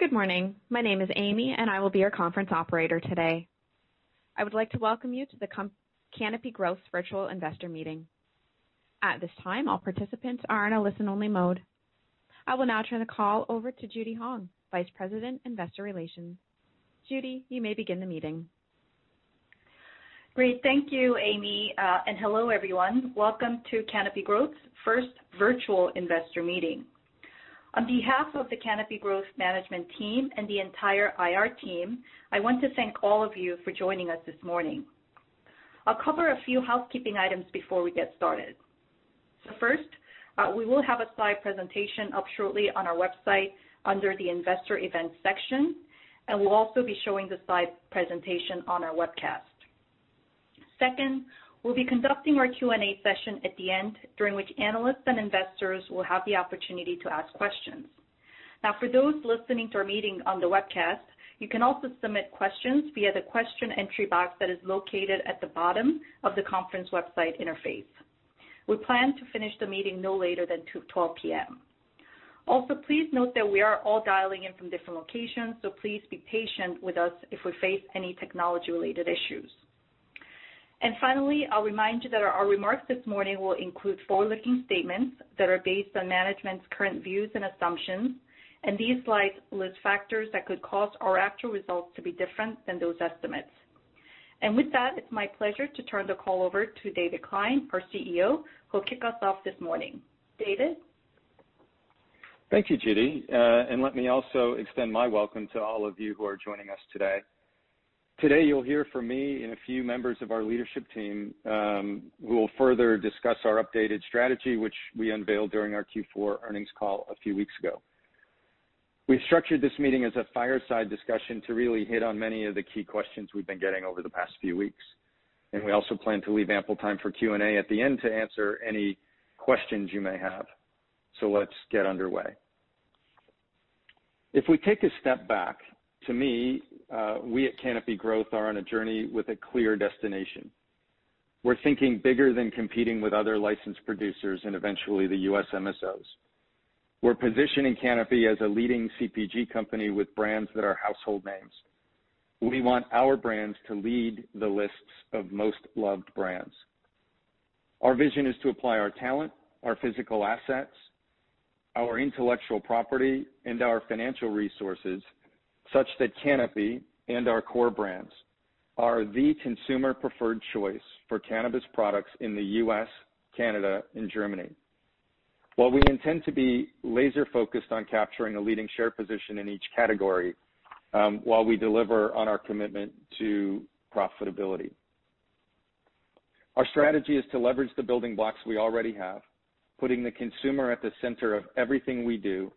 Good morning. My name is Amy, and I will be your conference operator today. I would like to welcome you to the Canopy Growth Virtual Investor Meeting. At this time, all participants are in a listen-only mode. I will now turn the call over to Judy Hong, Vice President, Investor Relations. Judy, you may begin the meeting. Great. Thank you, Amy, and hello, everyone. Welcome to Canopy Growth's first Virtual Investor Meeting. On behalf of the Canopy Growth management team and the entire IR team, I want to thank all of you for joining us this morning. I'll cover a few housekeeping items before we get started. First, we will have a slide presentation up shortly on our website under the investor events section, and we'll also be showing the slide presentation on our webcast. Second, we'll be conducting our Q&A session at the end, during which analysts and investors will have the opportunity to ask questions. Now, for those listening to our meeting on the webcast, you can also submit questions via the question entry box that is located at the bottom of the conference website interface. We plan to finish the meeting no later than 12:00 P.M.. Also, please note that we are all dialing in from different locations, so please be patient with us if we face any technology-related issues. Finally, I'll remind you that our remarks this morning will include forward-looking statements that are based on management's current views and assumptions, and these slides list factors that could cause our actual results to be different than those estimates. With that, it's my pleasure to turn the call over to David Klein, our CEO, who'll kick us off this morning. David? Thank you, Judy. Let me also extend my welcome to all of you who are joining us today. Today, you'll hear from me and a few members of our leadership team, who will further discuss our updated strategy, which we unveiled during our Q4 earnings call a few weeks ago. We structured this meeting as a fireside discussion to really hit on many of the key questions we've been getting over the past few weeks, and we also plan to leave ample time for Q&A at the end to answer any questions you may have. Let's get underway. If we take a step back, to me, we at Canopy Growth are on a journey with a clear destination. We're thinking bigger than competing with other licensed producers and eventually the U.S. MSOs. We're positioning Canopy as a leading CPG company with brands that are household names. We want our brands to lead the lists of most-loved brands. Our vision is to apply our talent, our physical assets, our intellectual property, and our financial resources, such that Canopy and our core brands are the consumer-preferred choice for cannabis products in the U.S., Canada, and Germany. We intend to be laser-focused on capturing a leading share position in each category, while we deliver on our commitment to profitability. Our strategy is to leverage the building blocks we already have, putting the consumer at the center of everything we do,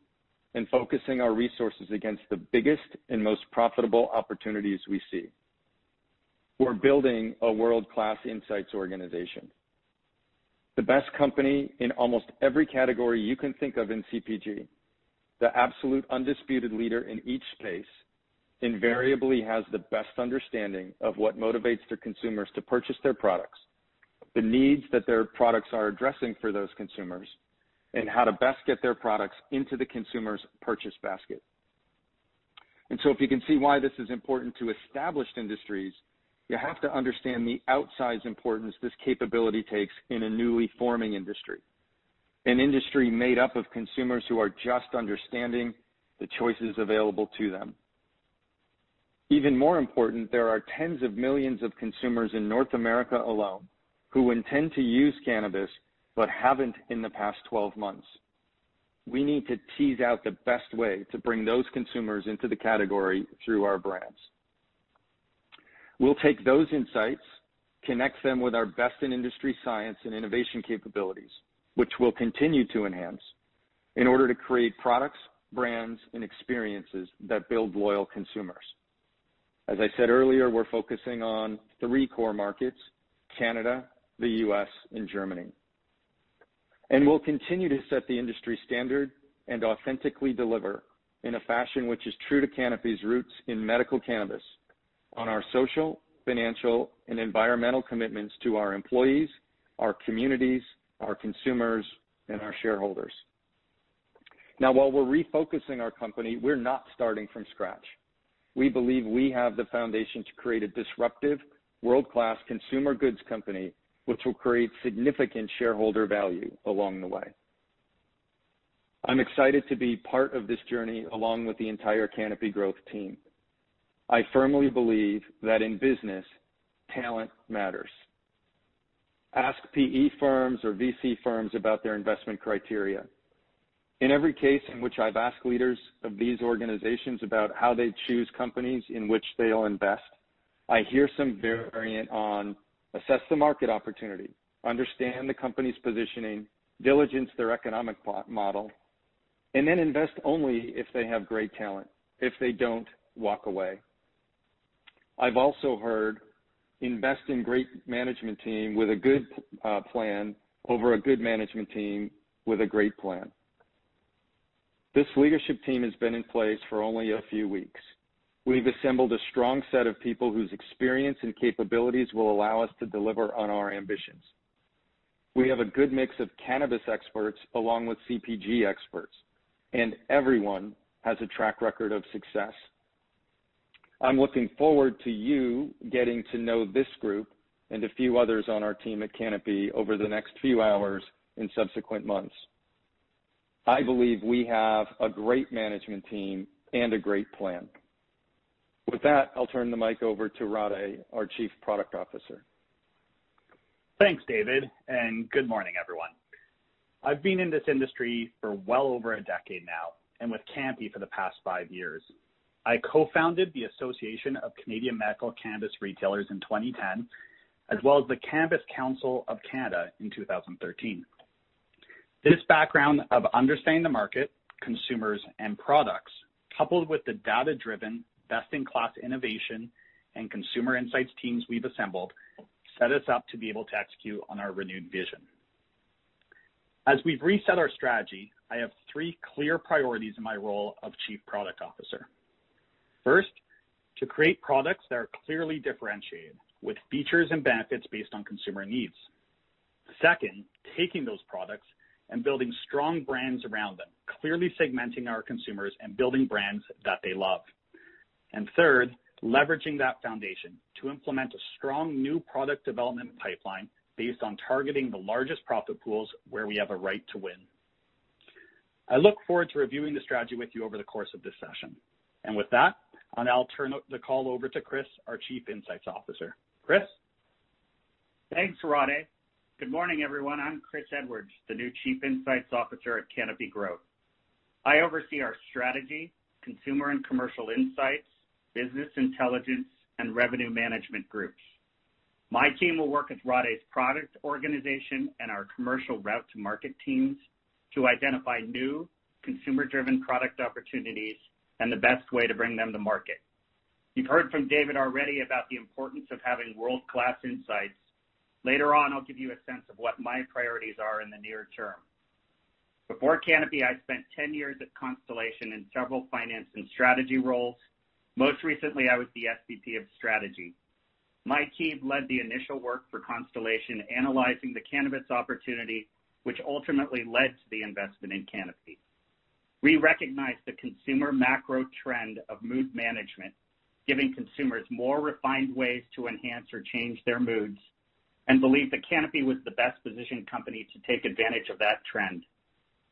and focusing our resources against the biggest and most profitable opportunities we see. We're building a world-class insights organization. The best company in almost every category you can think of in CPG, the absolute undisputed leader in each space invariably has the best understanding of what motivates their consumers to purchase their products, the needs that their products are addressing for those consumers, and how to best get their products into the consumer's purchase basket. If you can see why this is important to established industries, you have to understand the outsize importance this capability takes in a newly forming industry. An industry made up of consumers who are just understanding the choices available to them. Even more important, there are tens of millions of consumers in North America alone who intend to use cannabis but haven't in the past 12 months. We need to tease out the best way to bring those consumers into the category through our brands. We'll take those insights, connect them with our best-in-industry science and innovation capabilities, which we'll continue to enhance in order to create products, brands, and experiences that build loyal consumers. As I said earlier, we're focusing on three core markets, Canada, the U.S., and Germany. We'll continue to set the industry standard and authentically deliver in a fashion which is true to Canopy's roots in medical cannabis on our social, financial, and environmental commitments to our employees, our communities, our consumers, and our shareholders. Now, while we're refocusing our company, we're not starting from scratch. We believe we have the foundation to create a disruptive, world-class consumer goods company, which will create significant shareholder value along the way. I'm excited to be part of this journey along with the entire Canopy Growth team. I firmly believe that in business, talent matters. Ask PE firms or VC firms about their investment criteria. In every case in which I've asked leaders of these organizations about how they choose companies in which they'll invest, I hear some variant on assess the market opportunity, understand the company's positioning, diligence their economic model, and then invest only if they have great talent. If they don't, walk away. I've also heard invest in great management team with a good plan over a good management team with a great plan. This leadership team has been in place for only a few weeks. We've assembled a strong set of people whose experience and capabilities will allow us to deliver on our ambitions. We have a good mix of cannabis experts along with CPG experts, and everyone has a track record of success. I'm looking forward to you getting to know this group and a few others on our team at Canopy over the next few hours and subsequent months. I believe we have a great management team and a great plan. With that, I'll turn the mic over to Rade, our Chief Product Officer. Thanks, David. Good morning, everyone. I've been in this industry for well over a decade now, and with Canopy for the past five years. I co-founded the Association of Canadian Medical Cannabis Retailers in 2010, as well as the Cannabis Council of Canada in 2013. This background of understanding the market, consumers, and products, coupled with the data-driven, best-in-class innovation and consumer insights teams we've assembled, set us up to be able to execute on our renewed vision. As we've reset our strategy, I have three clear priorities in my role of Chief Product Officer. First, to create products that are clearly differentiated with features and benefits based on consumer needs. Second, taking those products and building strong brands around them, clearly segmenting our consumers and building brands that they love. Third, leveraging that foundation to implement a strong new product development pipeline based on targeting the largest profit pools where we have a right to win. I look forward to reviewing the strategy with you over the course of this session. With that, I'll now turn the call over to Chris, our Chief Insights Officer. Chris? Thanks, Rade. Good morning, everyone. I'm Chris Edwards, the new Chief Insights Officer at Canopy Growth. I oversee our strategy, consumer and commercial insights, business intelligence, and revenue management groups. My team will work with Rade's product organization and our commercial route to market teams to identify new consumer-driven product opportunities and the best way to bring them to market. You've heard from David already about the importance of having world-class insights. Later on, I'll give you a sense of what my priorities are in the near term. Before Canopy, I spent 10 years at Constellation in several finance and strategy roles. Most recently, I was the SVP of Strategy. My team led the initial work for Constellation, analyzing the cannabis opportunity, which ultimately led to the investment in Canopy. We recognized the consumer macro trend of mood management, giving consumers more refined ways to enhance or change their moods, and believed that Canopy was the best-positioned company to take advantage of that trend.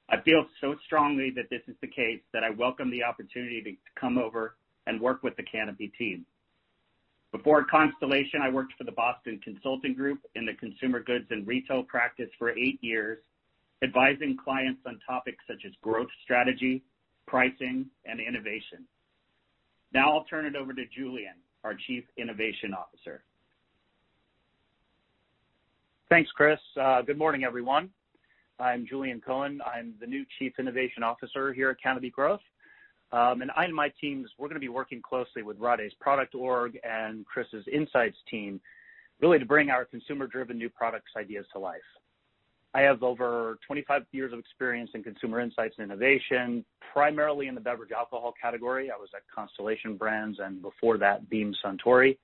I feel so strongly that this is the case that I welcome the opportunity to come over and work with the Canopy team. Before Constellation, I worked for the Boston Consulting Group in the consumer goods and retail practice for eight years, advising clients on topics such as growth strategy, pricing, and innovation. I'll turn it over to Julian, our Chief Innovation Officer. Thanks, Chris. Good morning, everyone. I'm Julian Cohen. I'm the new Chief Innovation Officer here at Canopy Growth. I and my teams, we're going to be working closely with Rade's product org and Chris' insights team really to bring our consumer-driven new products ideas to life. I have over 25 years of experience in consumer insights and innovation, primarily in the beverage alcohol category. I was at Constellation Brands, and before that, Beam Suntory.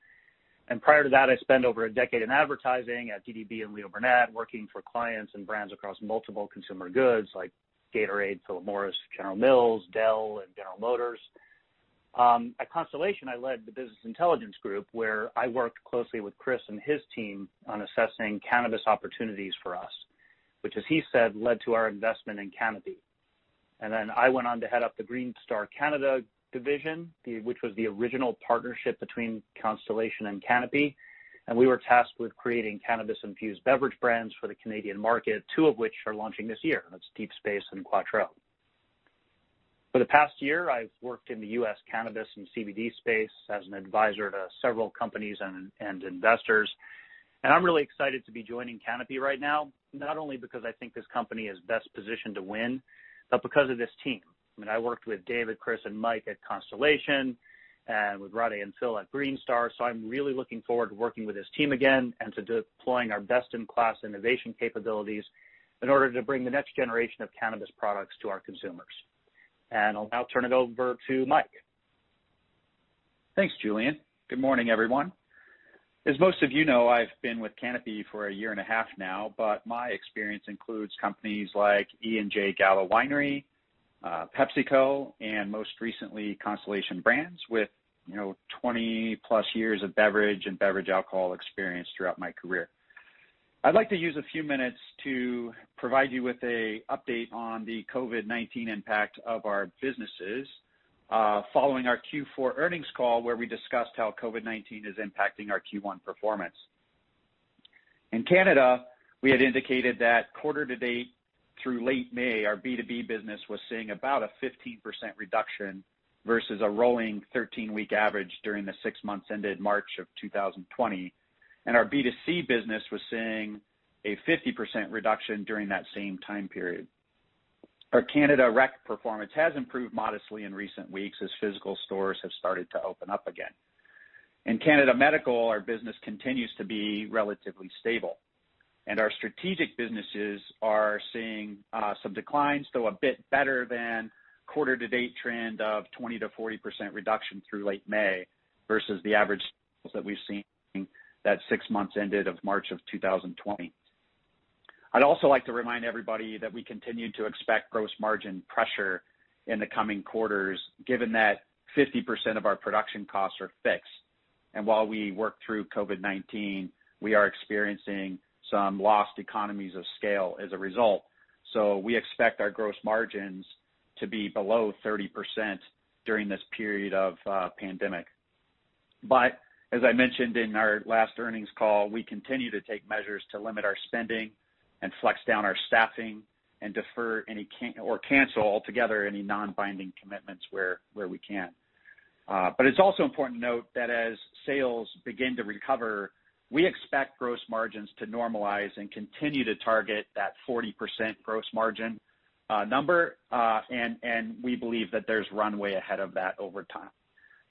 Prior to that, I spent over a decade in advertising at DDB and Leo Burnett, working for clients and brands across multiple consumer goods like Gatorade, Philip Morris, General Mills, Dell, and General Motors. At Constellation, I led the business intelligence group, where I worked closely with Chris and his team on assessing cannabis opportunities for us, which, as he said, led to our investment in Canopy. I went on to head up the Greenstar Canada division, which was the original partnership between Constellation and Canopy, and we were tasked with creating cannabis-infused beverage brands for the Canadian market, two of which are launching this year, and that's Deep Space and Quatreau. For the past year, I've worked in the U.S. cannabis and CBD space as an advisor to several companies and investors. I'm really excited to be joining Canopy right now, not only because I think this company is best positioned to win, but because of this team. I mean, I worked with David, Chris, and Mike at Constellation, and with Rade and Phil at Greenstar, so I'm really looking forward to working with this team again and to deploying our best-in-class innovation capabilities in order to bring the next generation of cannabis products to our consumers. I'll now turn it over to Mike. Thanks, Julian. Good morning, everyone. As most of you know, I've been with Canopy for a year and a half now. My experience includes companies like E. & J. Gallo Winery, PepsiCo, and most recently, Constellation Brands, with 20+ years of beverage and beverage alcohol experience throughout my career. I'd like to use a few minutes to provide you with a update on the COVID-19 impact of our businesses, following our Q4 earnings call, where we discussed how COVID-19 is impacting our Q1 performance. In Canada, we had indicated that quarter to date through late May, our B2B business was seeing about a 15% reduction versus a rolling 13-week average during the six months ended March of 2020, and our B2C business was seeing a 50% reduction during that same time period. Our Canada rec performance has improved modestly in recent weeks as physical stores have started to open up again. In Canada medical, our business continues to be relatively stable, and our strategic businesses are seeing some declines, though a bit better than quarter to date trend of 20%-40% reduction through late May versus the average that we've seen that six months ended of March of 2020. I'd also like to remind everybody that we continue to expect gross margin pressure in the coming quarters, given that 50% of our production costs are fixed. While we work through COVID-19, we are experiencing some lost economies of scale as a result. We expect our gross margins to be below 30% during this period of pandemic. As I mentioned in our last earnings call, we continue to take measures to limit our spending and flex down our staffing and defer or cancel altogether any non-binding commitments where we can. It's also important to note that as sales begin to recover, we expect gross margins to normalize and continue to target that 40% gross margin number. We believe that there's runway ahead of that over time.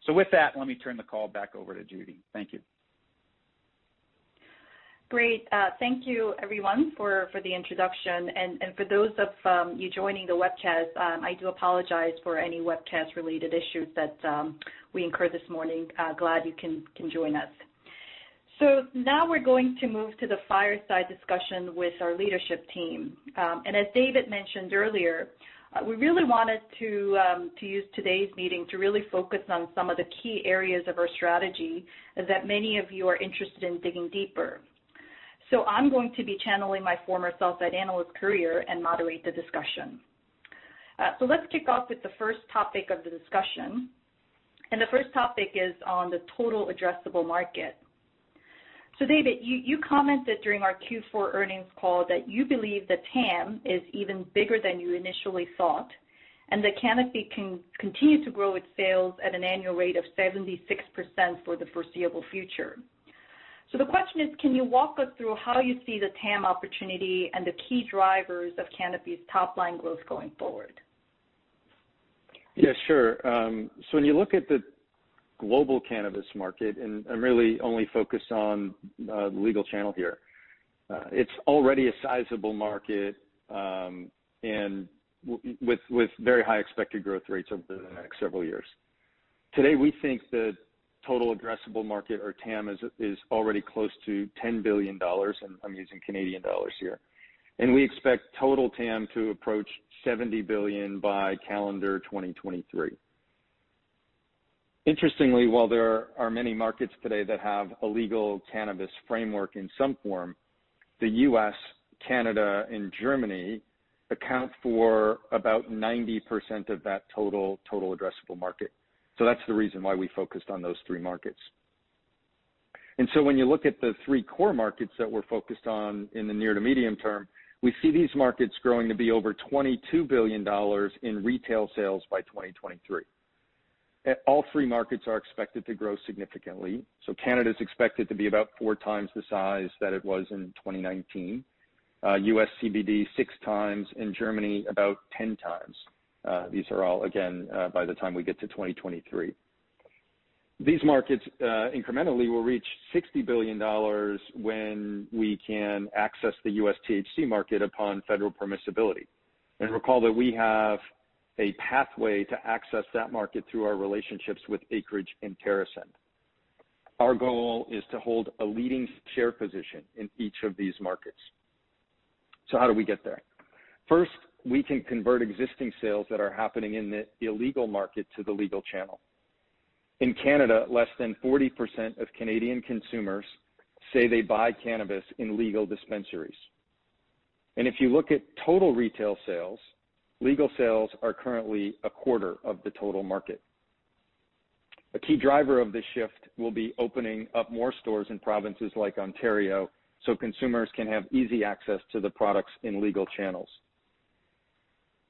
With that, let me turn the call back over to Judy. Thank you. Great. Thank you everyone for the introduction and for those of you joining the webcast, I do apologize for any webcast-related issues that we incurred this morning. Glad you can join us. Now we're going to move to the fireside discussion with our leadership team. As David mentioned earlier, we really wanted to use today's meeting to really focus on some of the key areas of our strategy that many of you are interested in digging deeper. I'm going to be channeling my former sell-side analyst career and moderate the discussion. Let's kick off with the first topic of the discussion, and the first topic is on the Total Addressable Market. David, you commented during our Q4 earnings call that you believe the TAM is even bigger than you initially thought, and that Canopy can continue to grow its sales at an annual rate of 76% for the foreseeable future. The question is, can you walk us through how you see the TAM opportunity and the key drivers of Canopy's top-line growth going forward? Yeah, sure. When you look at the global cannabis market and really only focused on the legal channel here, it's already a sizable market, and with very high expected growth rates over the next several years. Today, we think the total addressable market, or TAM, is already close to 10 billion dollars, and I'm using Canadian dollars here. We expect total TAM to approach 70 billion by calendar 2023. Interestingly, while there are many markets today that have a legal cannabis framework in some form, the U.S., Canada, and Germany account for about 90% of that Total Addressable Market. That's the reason why we focused on those three markets. When you look at the three core markets that we're focused on in the near to medium term, we see these markets growing to be over 22 billion dollars in retail sales by 2023. All three markets are expected to grow significantly. Canada's expected to be about 4x the size that it was in 2019. U.S. CBD, 6x. In Germany, about 10x. These are all again, by the time we get to 2023. These markets, incrementally, will reach 60 billion dollars when we can access the U.S. THC market upon federal permissibility, and recall that we have a pathway to access that market through our relationships with Acreage and TerrAscend. Our goal is to hold a leading share position in each of these markets. How do we get there? First, we can convert existing sales that are happening in the illegal market to the legal channel. In Canada, less than 40% of Canadian consumers say they buy cannabis in legal dispensaries. If you look at total retail sales, legal sales are currently 1/4 of the total market. A key driver of this shift will be opening up more stores in provinces like Ontario, so consumers can have easy access to the products in legal channels.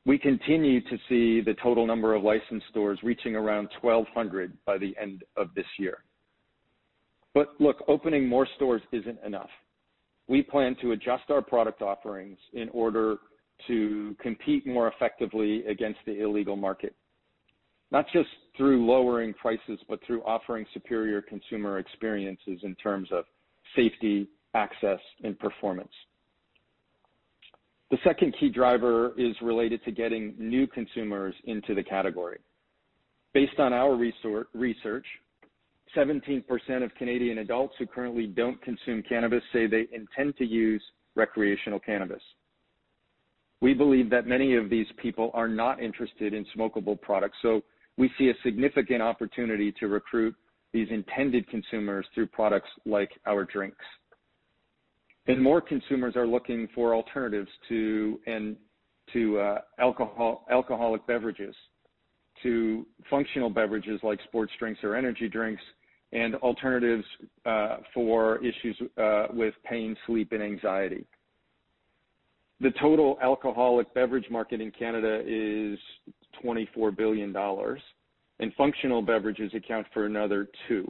We continue to see the total number of licensed stores reaching around 1,200 by the end of this year. Look, opening more stores isn't enough. We plan to adjust our product offerings in order to compete more effectively against the illegal market, not just through lowering prices, but through offering superior consumer experiences in terms of safety, access, and performance. The second key driver is related to getting new consumers into the category. Based on our research, 17% of Canadian adults who currently don't consume cannabis say they intend to use recreational cannabis. We believe that many of these people are not interested in smokable products, so we see a significant opportunity to recruit these intended consumers through products like our drinks. More consumers are looking for alternatives to alcoholic beverages, to functional beverages like sports drinks or energy drinks, and alternatives for issues with pain, sleep, and anxiety. The total alcoholic beverage market in Canada is 24 billion dollars, and functional beverages account for another 2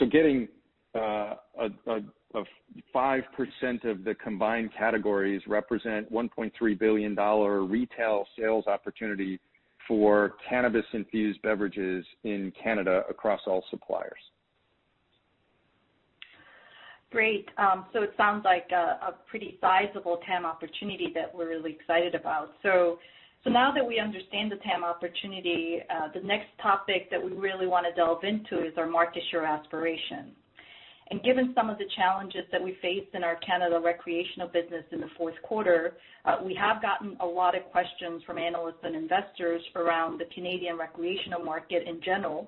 billion. Getting 5% of the combined categories represent 1.3 billion dollar retail sales opportunity for cannabis-infused beverages in Canada across all suppliers. Great. It sounds like a pretty sizable TAM opportunity that we're really excited about. Now that we understand the TAM opportunity, the next topic that we really want to delve into is our market share aspiration. Given some of the challenges that we faced in our Canada recreational business in the fourth quarter, we have gotten a lot of questions from analysts and investors around the Canadian recreational market in general,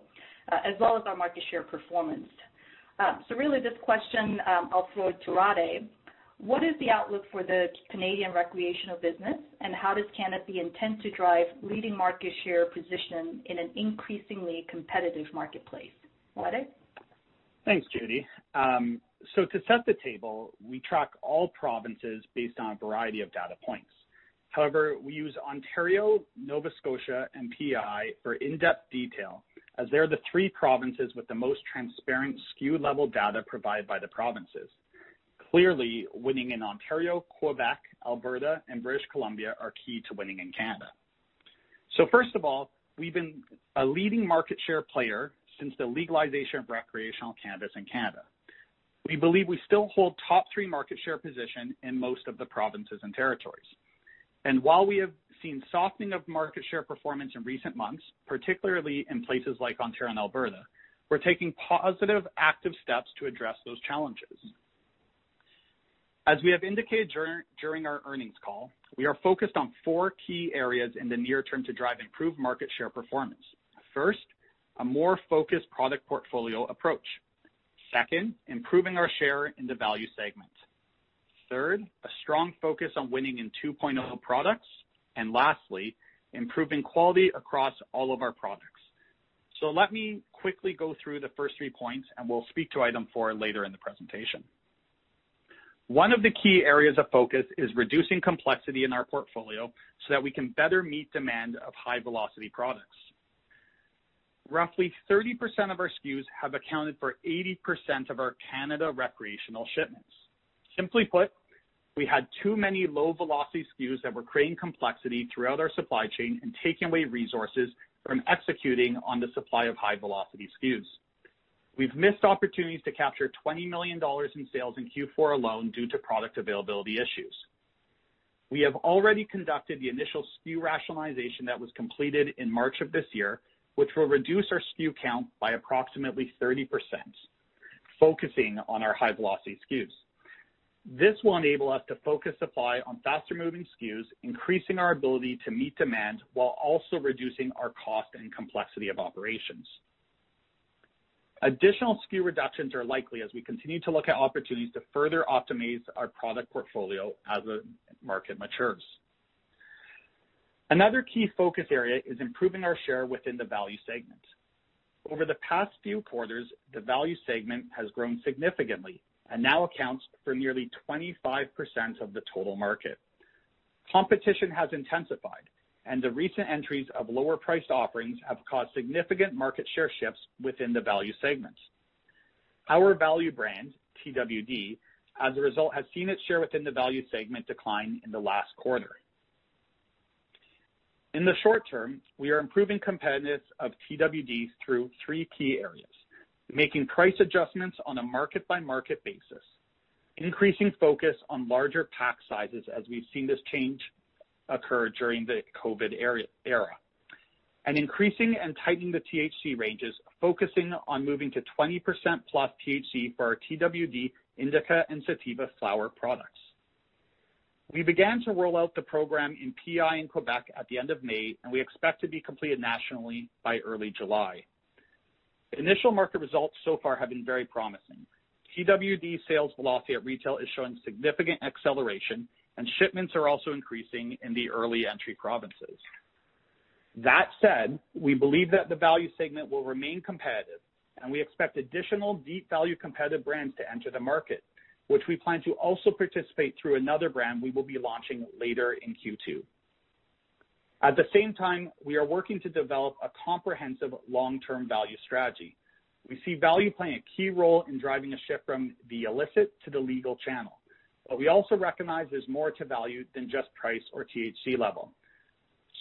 as well as our market share performance. Really this question I'll throw to Rade. What is the outlook for the Canadian recreational business and how does Canopy intend to drive leading market share position in an increasingly competitive marketplace? Rade? Thanks, Judy. To set the table, we track all provinces based on a variety of data points. However, we use Ontario, Nova Scotia, and P.E.I. for in-depth detail as they're the three provinces with the most transparent SKU level data provided by the provinces. Clearly, winning in Ontario, Quebec, Alberta, and British Columbia are key to winning in Canada. First of all, we've been a leading market share player since the legalization of recreational cannabis in Canada. We believe we still hold top three market share position in most of the provinces and territories. While we have seen softening of market share performance in recent months, particularly in places like Ontario and Alberta, we're taking positive active steps to address those challenges. As we have indicated during our earnings call, we are focused on four key areas in the near term to drive improved market share performance. First, a more focused product portfolio approach. Second, improving our share in the value segment. Third, a strong focus on winning in 2.0 products, and lastly, improving quality across all of our products. Let me quickly go through the first three points and we'll speak to item four later in the presentation. One of the key areas of focus is reducing complexity in our portfolio so that we can better meet demand of high velocity products. Roughly 30% of our SKUs have accounted for 80% of our Canada recreational shipments. Simply put, we had too many low velocity SKUs that were creating complexity throughout our supply chain and taking away resources from executing on the supply of high velocity SKUs. We've missed opportunities to capture 20 million dollars in sales in Q4 alone due to product availability issues. We have already conducted the initial SKU rationalization that was completed in March of this year, which will reduce our SKU count by approximately 30%, focusing on our high velocity SKUs. This will enable us to focus supply on faster moving SKUs, increasing our ability to meet demand while also reducing our cost and complexity of operations. Additional SKU reductions are likely as we continue to look at opportunities to further optimize our product portfolio as the market matures. Another key focus area is improving our share within the value segment. Over the past few quarters, the value segment has grown significantly and now accounts for nearly 25% of the total market. Competition has intensified and the recent entries of lower priced offerings have caused significant market share shifts within the value segment. Our value brand, Twd., as a result, has seen its share within the value segment decline in the last quarter. In the short term, we are improving competitiveness of Twd. through three key areas, making price adjustments on a market-by-market basis, increasing focus on larger pack sizes as we've seen this change occur during the COVID era, and increasing and tightening the THC ranges, focusing on moving to 20%+ THC for our Twd. indica and sativa flower products. We began to roll out the program in P.E.I. in Quebec at the end of May. We expect to be completed nationally by early July. Initial market results so far have been very promising. Twd. sales velocity at retail is showing significant acceleration. Shipments are also increasing in the early entry provinces. That said, we believe that the value segment will remain competitive and we expect additional deep value competitive brands to enter the market, which we plan to also participate through another brand we will be launching later in Q2. At the same time, we are working to develop a comprehensive long-term value strategy. We see value playing a key role in driving a shift from the illicit to the legal channel. We also recognize there's more to value than just price or THC level.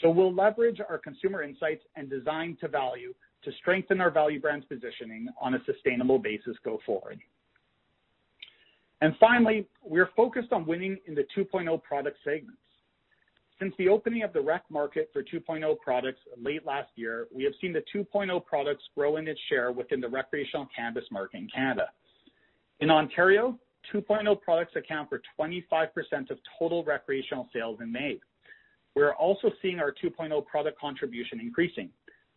We'll leverage our consumer insights and design to value to strengthen our value brand's positioning on a sustainable basis go forward. Finally, we are focused on winning in the 2.0 product segments. Since the opening of the rec market for 2.0 products late last year, we have seen the 2.0 products grow in its share within the recreational cannabis market in Canada. In Ontario, 2.0 products account for 25% of total recreational sales in May. We are also seeing our 2.0 product contribution increasing,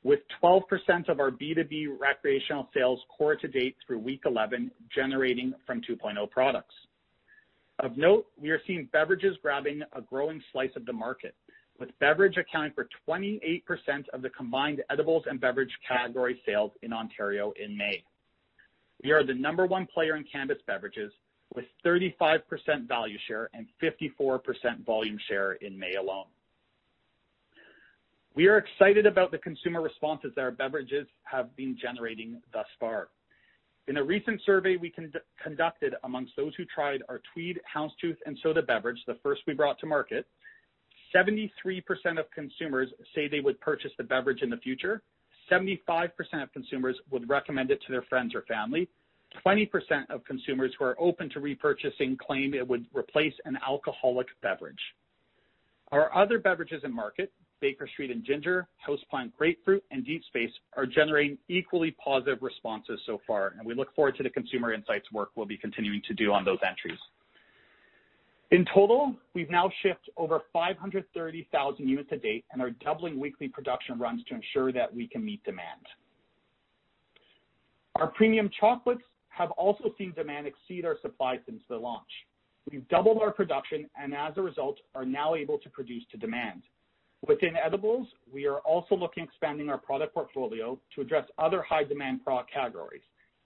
with 12% of our B2B recreational sales quarter to date through week 11 generating from 2.0 products. Of note, we are seeing beverages grabbing a growing slice of the market, with beverage accounting for 28% of the combined edibles and beverage category sales in Ontario in May. We are the number one player in cannabis beverages with 35% value share and 54% volume share in May alone. We are excited about the consumer responses that our beverages have been generating thus far. In a recent survey we conducted amongst those who tried our Tweed Houndstooth & Soda beverage, the first we brought to market. 73% of consumers say they would purchase the beverage in the future, 75% of consumers would recommend it to their friends or family, 20% of consumers who are open to repurchasing claim it would replace an alcoholic beverage. Our other beverages in market, Tweed Bakerstreet & Ginger, Houseplant Grapefruit, and Deep Space, are generating equally positive responses so far, and we look forward to the consumer insights work we'll be continuing to do on those entries. In total, we've now shipped over 530,000 units to date and are doubling weekly production runs to ensure that we can meet demand. Our premium chocolates have also seen demand exceed our supply since the launch. We've doubled our production, and as a result, are now able to produce to demand. Within edibles, we are also looking at expanding our product portfolio to address other high-demand product categories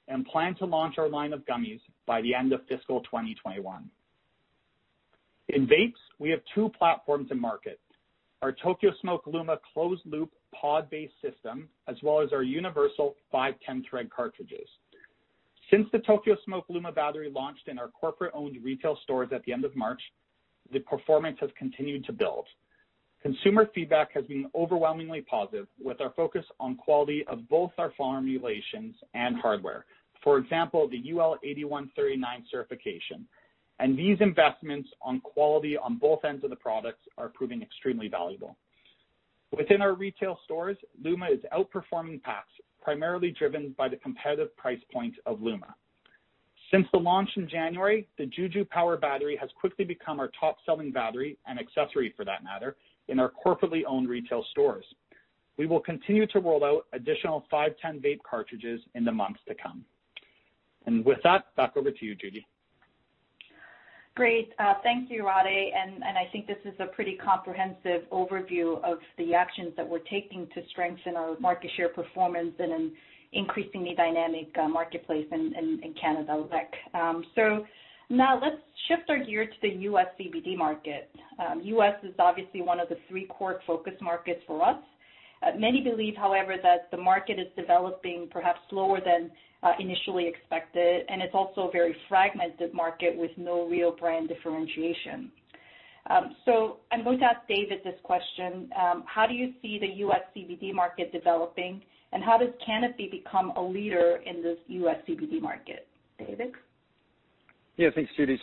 and plan to launch our line of gummies by the end of fiscal 2021. In vapes, we have two platforms in market, our Tokyo Smoke Luma closed-loop pod-based system, as well as our universal 510-thread cartridges. Since the Tokyo Smoke Luma battery launched in our corporate-owned retail stores at the end of March, the performance has continued to build. Consumer feedback has been overwhelmingly positive, with our focus on quality of both our formulations and hardware. For example, the UL 8139 certification. These investments on quality on both ends of the products are proving extremely valuable. Within our retail stores, Luma is outperforming PAX, primarily driven by the competitive price point of Luma. Since the launch in January, the JUJU Power battery has quickly become our top-selling battery, and accessory for that matter, in our corporately-owned retail stores. We will continue to roll out additional 510 vape cartridges in the months to come. With that, back over to you, Judy. Great. Thank you, Rade. I think this is a pretty comprehensive overview of the actions that we're taking to strengthen our market share performance in an increasingly dynamic marketplace in Canada rec. Now let's shift our gear to the U.S. CBD market. U.S. is obviously one of the three core focus markets for us. Many believe, however, that the market is developing perhaps slower than initially expected, and it's also a very fragmented market with no real brand differentiation. I'm going to ask David this question. How do you see the U.S. CBD market developing, and how does Canopy become a leader in this U.S. CBD market? David? Thanks, Judy.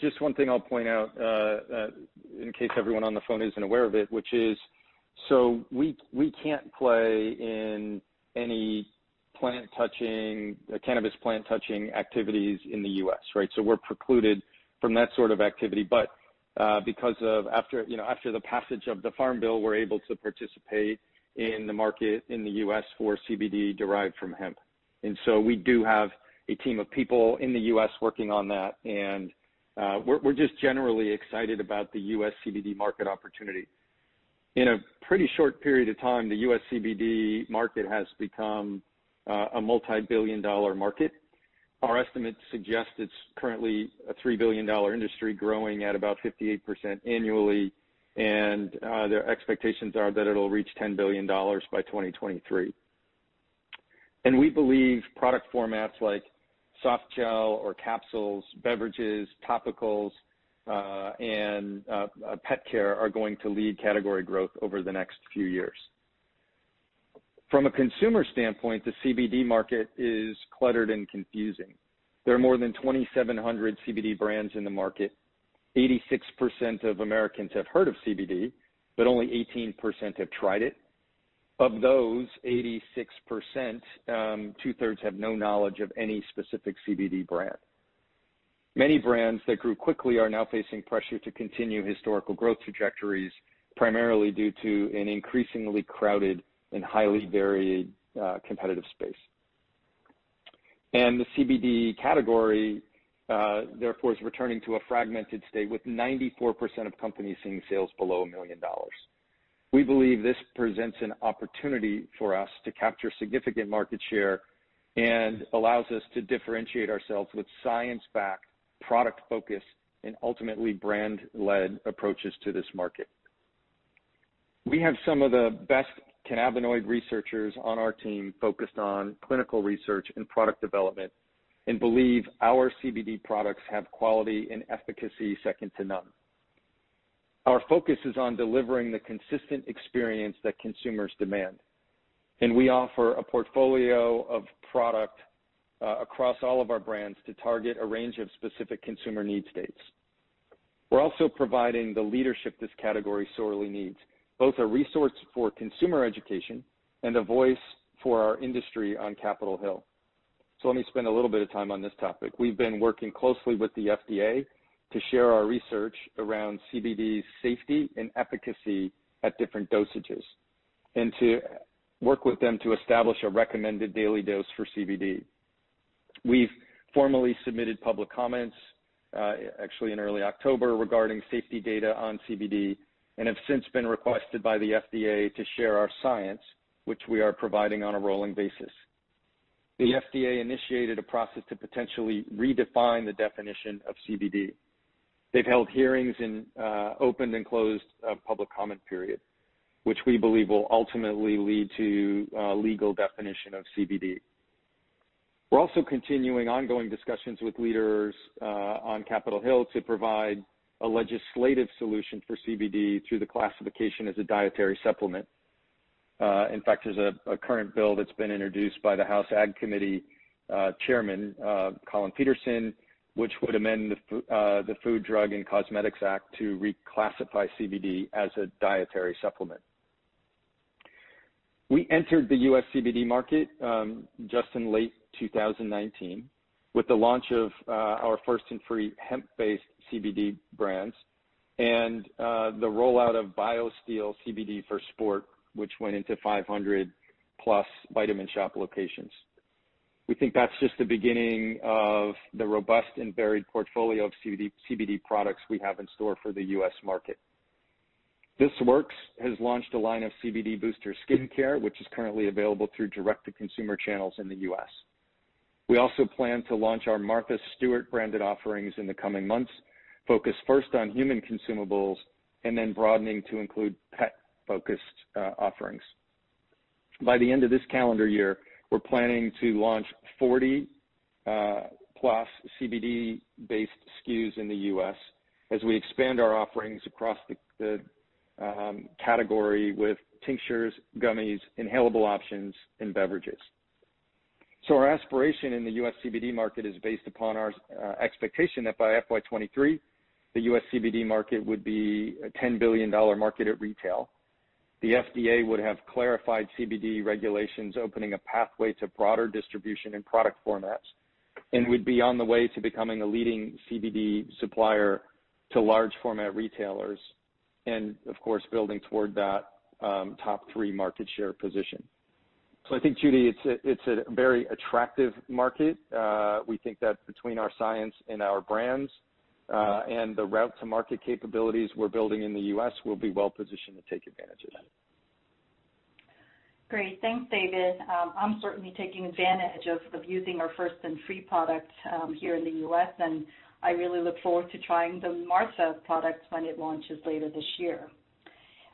Just one thing I'll point out, in case everyone on the phone isn't aware of it, which is, we can't play in any cannabis plant-touching activities in the U.S., right? We're precluded from that sort of activity. After the passage of the Farm Bill, we're able to participate in the market in the U.S. for CBD derived from hemp. We do have a team of people in the U.S. working on that, and we're just generally excited about the U.S. CBD market opportunity. In a pretty short period of time, the U.S. CBD market has become a multi-billion-dollar market. Our estimates suggest it's currently a 3 billion dollar industry growing at about 58% annually, and the expectations are that it'll reach 10 billion dollars by 2023. We believe product formats like soft gel or capsules, beverages, topicals, and pet care are going to lead category growth over the next few years. From a consumer standpoint, the CBD market is cluttered and confusing. There are more than 2,700 CBD brands in the market. 86% of Americans have heard of CBD, but only 18% have tried it. Of those 86%, 2/3 have no knowledge of any specific CBD brand. Many brands that grew quickly are now facing pressure to continue historical growth trajectories, primarily due to an increasingly crowded and highly varied competitive space. The CBD category, therefore, is returning to a fragmented state, with 94% of companies seeing sales below a million dollars. We believe this presents an opportunity for us to capture significant market share and allows us to differentiate ourselves with science-backed, product-focused, and ultimately brand-led approaches to this market. We have some of the best cannabinoid researchers on our team focused on clinical research and product development and believe our CBD products have quality and efficacy second to none. Our focus is on delivering the consistent experience that consumers demand, and we offer a portfolio of product across all of our brands to target a range of specific consumer need states. We're also providing the leadership this category sorely needs, both a resource for consumer education and a voice for our industry on Capitol Hill. Let me spend a little bit of time on this topic. We've been working closely with the FDA to share our research around CBD safety and efficacy at different dosages and to work with them to establish a recommended daily dose for CBD. We've formally submitted public comments, actually in early October, regarding safety data on CBD and have since been requested by the FDA to share our science, which we are providing on a rolling basis. The FDA initiated a process to potentially redefine the definition of CBD. They've held hearings in opened and closed public comment periods, which we believe will ultimately lead to a legal definition of CBD. We're also continuing ongoing discussions with leaders, on Capitol Hill to provide a legislative solution for CBD through the classification as a dietary supplement. In fact, there's a current bill that's been introduced by the House Ag Committee Chairman, Collin Peterson, which would amend the Food, Drug, and Cosmetics Act to reclassify CBD as a dietary supplement. We entered the U.S. CBD market just in late 2019 with the launch of our First & Free hemp-based CBD brands and the rollout of BioSteel CBD for sport, which went into 500+ Vitamin Shoppe locations. We think that's just the beginning of the robust and varied portfolio of CBD products we have in store for the U.S. market. This Works has launched a line of CBD booster skincare, which is currently available through direct-to-consumer channels in the U.S.. We also plan to launch our Martha Stewart-branded offerings in the coming months, focused first on human consumables, and then broadening to include pet-focused offerings. By the end of this calendar year, we're planning to launch 40+ CBD-based SKUs in the U.S. as we expand our offerings across the category with tinctures, gummies, inhalable options, and beverages. Our aspiration in the U.S. CBD market is based upon our expectation that by FY 2023, the U.S. CBD market would be a $10 billion market at retail. The FDA would have clarified CBD regulations, opening a pathway to broader distribution and product formats, and would be on the way to becoming a leading CBD supplier to large format retailers and, of course, building toward that top three market share position. I think, Judy, it's a very attractive market. We think that between our science and our brands, and the route-to-market capabilities we're building in the U.S., we'll be well-positioned to take advantage of that. Great. Thanks, David. I'm certainly taking advantage of using our First & Free products here in the U.S., and I really look forward to trying the Martha products when it launches later this year.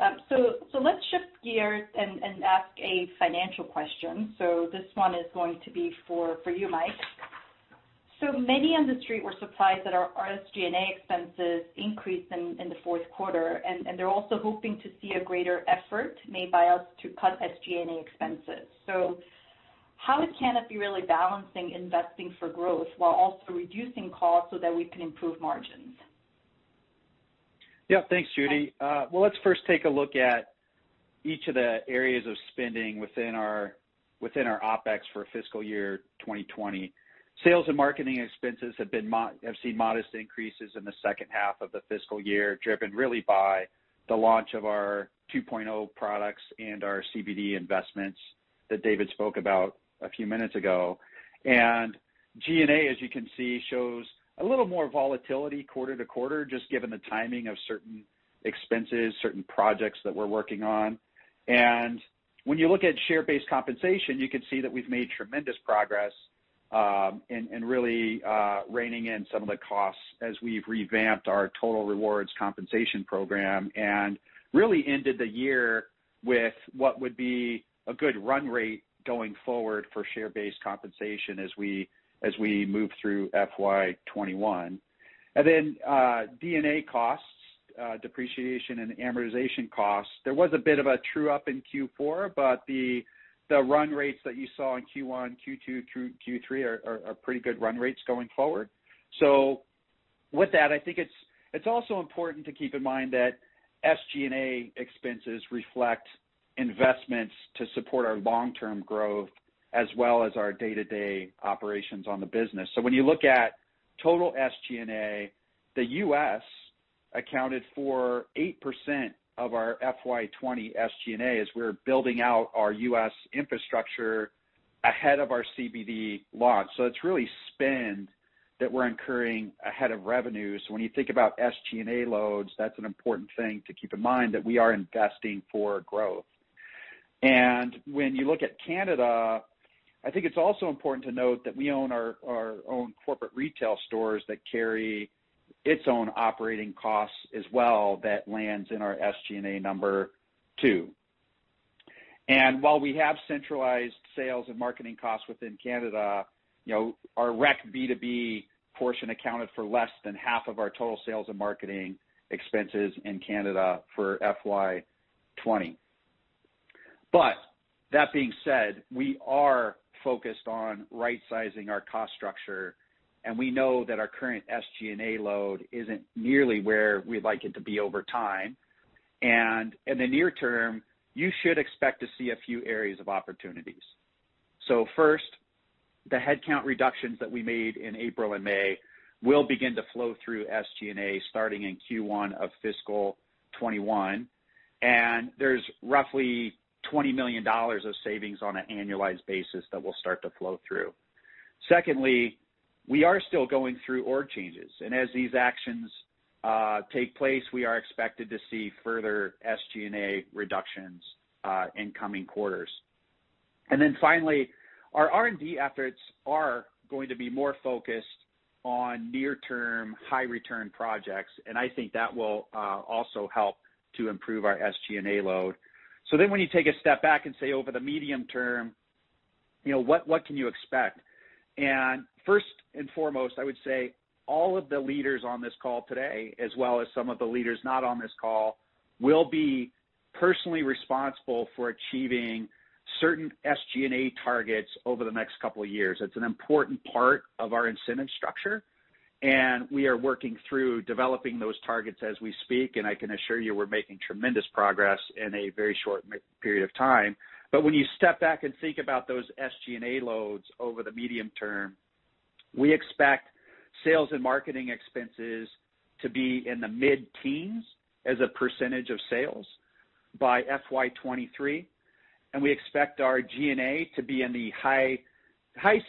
Let's shift gears and ask a financial question. This one is going to be for you, Mike. Many on the street were surprised that our SG&A expenses increased in the fourth quarter, and they're also hoping to see a greater effort made by us to cut SG&A expenses. How is Canopy really balancing investing for growth while also reducing costs so that we can improve margins? Yeah. Thanks, Judy. Let's first take a look at each of the areas of spending within our OpEx for fiscal year 2020. Sales and marketing expenses have seen modest increases in the second half of the fiscal year, driven really by the launch of our 2.0 products and our CBD investments that David spoke about a few minutes ago. G&A, as you can see, shows a little more volatility quarter-to-quarter, just given the timing of certain expenses, certain projects that we're working on. When you look at share-based compensation, you can see that we've made tremendous progress in really reining in some of the costs as we've revamped our total rewards compensation program and really ended the year with what would be a good run rate going forward for share-based compensation as we move through FY 2021. D&A costs, depreciation and amortization costs. There was a bit of a true-up in Q4. The run rates that you saw in Q1, Q2 through Q3 are pretty good run rates going forward. With that, I think it's also important to keep in mind that SG&A expenses reflect investments to support our long-term growth as well as our day-to-day operations on the business. When you look at total SG&A, the U.S. accounted for 8% of our FY 2020 SG&A as we're building out our U.S. infrastructure ahead of our CBD launch. It's really spend that we're incurring ahead of revenues. When you think about SG&A loads, that's an important thing to keep in mind, that we are investing for growth. When you look at Canada, I think it's also important to note that we own our own corporate retail stores that carry its own operating costs as well that lands in our SG&A number too. While we have centralized sales and marketing costs within Canada, our rec B2B portion accounted for less than half of our total sales and marketing expenses in Canada for FY 2020. That being said, we are focused on right-sizing our cost structure, and we know that our current SG&A load isn't nearly where we'd like it to be over time. In the near term, you should expect to see a few areas of opportunities. First, the headcount reductions that we made in April and May will begin to flow through SG&A starting in Q1 of FY 2021, and there's roughly 20 million dollars of savings on an annualized basis that will start to flow through. Secondly, we are still going through org changes, and as these actions take place, we are expected to see further SG&A reductions in coming quarters. And then finally, our R&D efforts are going to be more focused on near-term, high-return projects, and I think that will also help to improve our SG&A load. When you take a step back and say over the medium term, what can you expect? First and foremost, I would say all of the leaders on this call today, as well as some of the leaders not on this call, will be personally responsible for achieving certain SG&A targets over the next couple of years. It's an important part of our incentive structure, and we are working through developing those targets as we speak, and I can assure you we're making tremendous progress in a very short period of time. When you step back and think about those SG&A loads over the medium term, we expect sales and marketing expenses to be in the mid-teens as a percentage of sales by FY 2023, and we expect our G&A to be in the high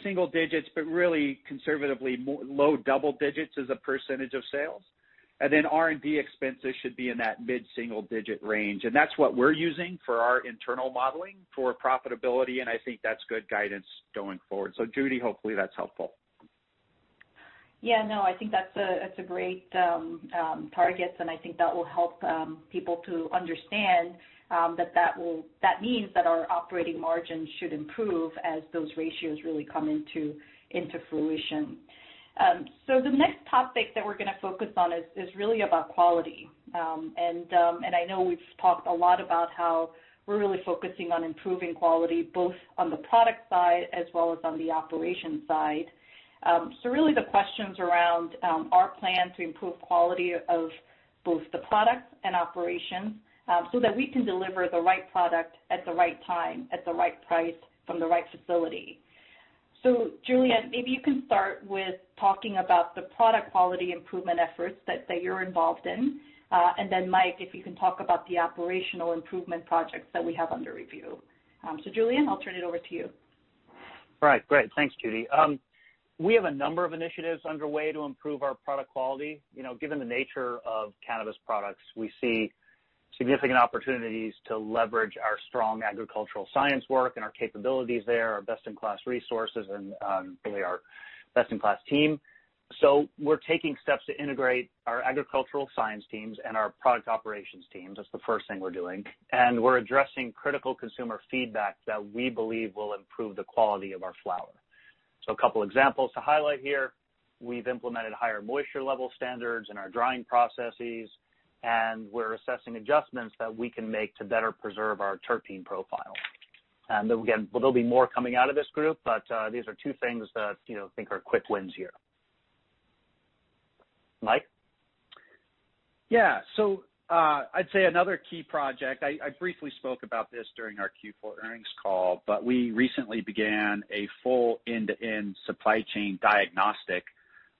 single digits, but really conservatively low double digits as a percentage of sales. R&D expenses should be in that mid-single digit range. That's what we're using for our internal modeling for profitability, and I think that's good guidance going forward. Judy, hopefully that's helpful. Yeah, no, I think that's a great target, and I think that will help people to understand that means that our operating margin should improve as those ratios really come into fruition. The next topic that we're going to focus on is really about quality. I know we've talked a lot about how we're really focusing on improving quality, both on the product side as well as on the operations side. Really the questions around our plan to improve quality of both the products and operations, so that we can deliver the right product at the right time, at the right price from the right facility. Julian, maybe you can start with talking about the product quality improvement efforts that you're involved in. Then Mike, if you can talk about the operational improvement projects that we have under review. Julian, I'll turn it over to you. Right. Great. Thanks, Judy. We have a number of initiatives underway to improve our product quality. Given the nature of cannabis products, we see significant opportunities to leverage our strong agricultural science work and our capabilities there, our best-in-class resources, and really our best-in-class team. We're taking steps to integrate our agricultural science teams and our product operations teams. That's the first thing we're doing. We're addressing critical consumer feedback that we believe will improve the quality of our flower. A couple examples to highlight here. We've implemented higher moisture level standards in our drying processes, and we're assessing adjustments that we can make to better preserve our terpene profile. Again, there'll be more coming out of this group, but these are two things that I think are quick wins here. Mike? I'd say another key project, I briefly spoke about this during our Q4 earnings call, but we recently began a full end-to-end supply chain diagnostic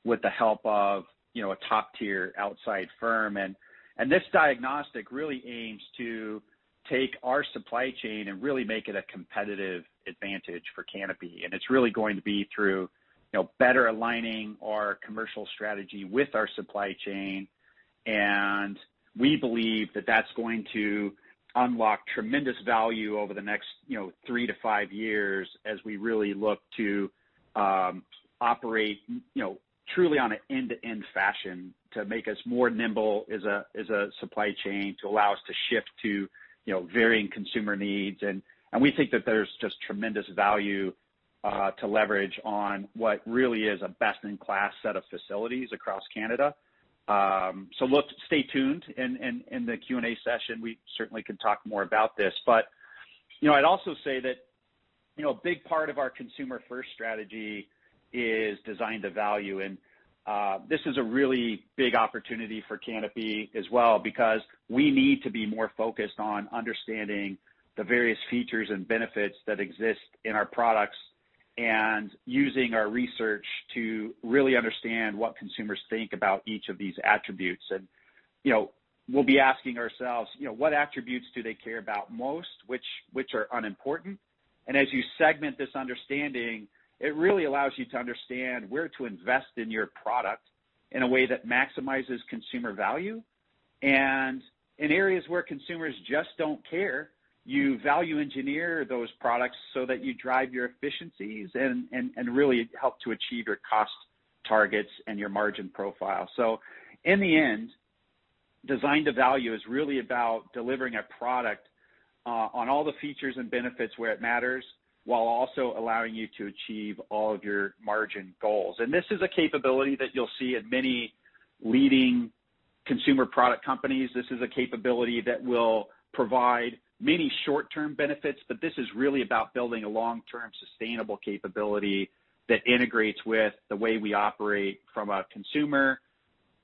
with the help of a top-tier outside firm. This diagnostic really aims to take our supply chain and really make it a competitive advantage for Canopy. It's really going to be through better aligning our commercial strategy with our supply chain, and we believe that that's going to unlock tremendous value over the next three to five years as we really look to operate truly on an end-to-end fashion to make us more nimble as a supply chain to allow us to shift to varying consumer needs. We think that there's just tremendous value to leverage on what really is a best-in-class set of facilities across Canada. Look, stay tuned. In the Q&A session, we certainly can talk more about this. I'd also say that a big part of our consumer-first strategy is design to value. This is a really big opportunity for Canopy as well because we need to be more focused on understanding the various features and benefits that exist in our products, and using our research to really understand what consumers think about each of these attributes. We'll be asking ourselves what attributes do they care about most, which are unimportant. As you segment this understanding, it really allows you to understand where to invest in your product in a way that maximizes consumer value. In areas where consumers just don't care, you value engineer those products so that you drive your efficiencies and really help to achieve your cost targets and your margin profile. In the end, design to value is really about delivering a product on all the features and benefits where it matters, while also allowing you to achieve all of your margin goals. This is a capability that you'll see at many leading consumer product companies. This is a capability that will provide many short-term benefits, but this is really about building a long-term sustainable capability that integrates with the way we operate from a consumer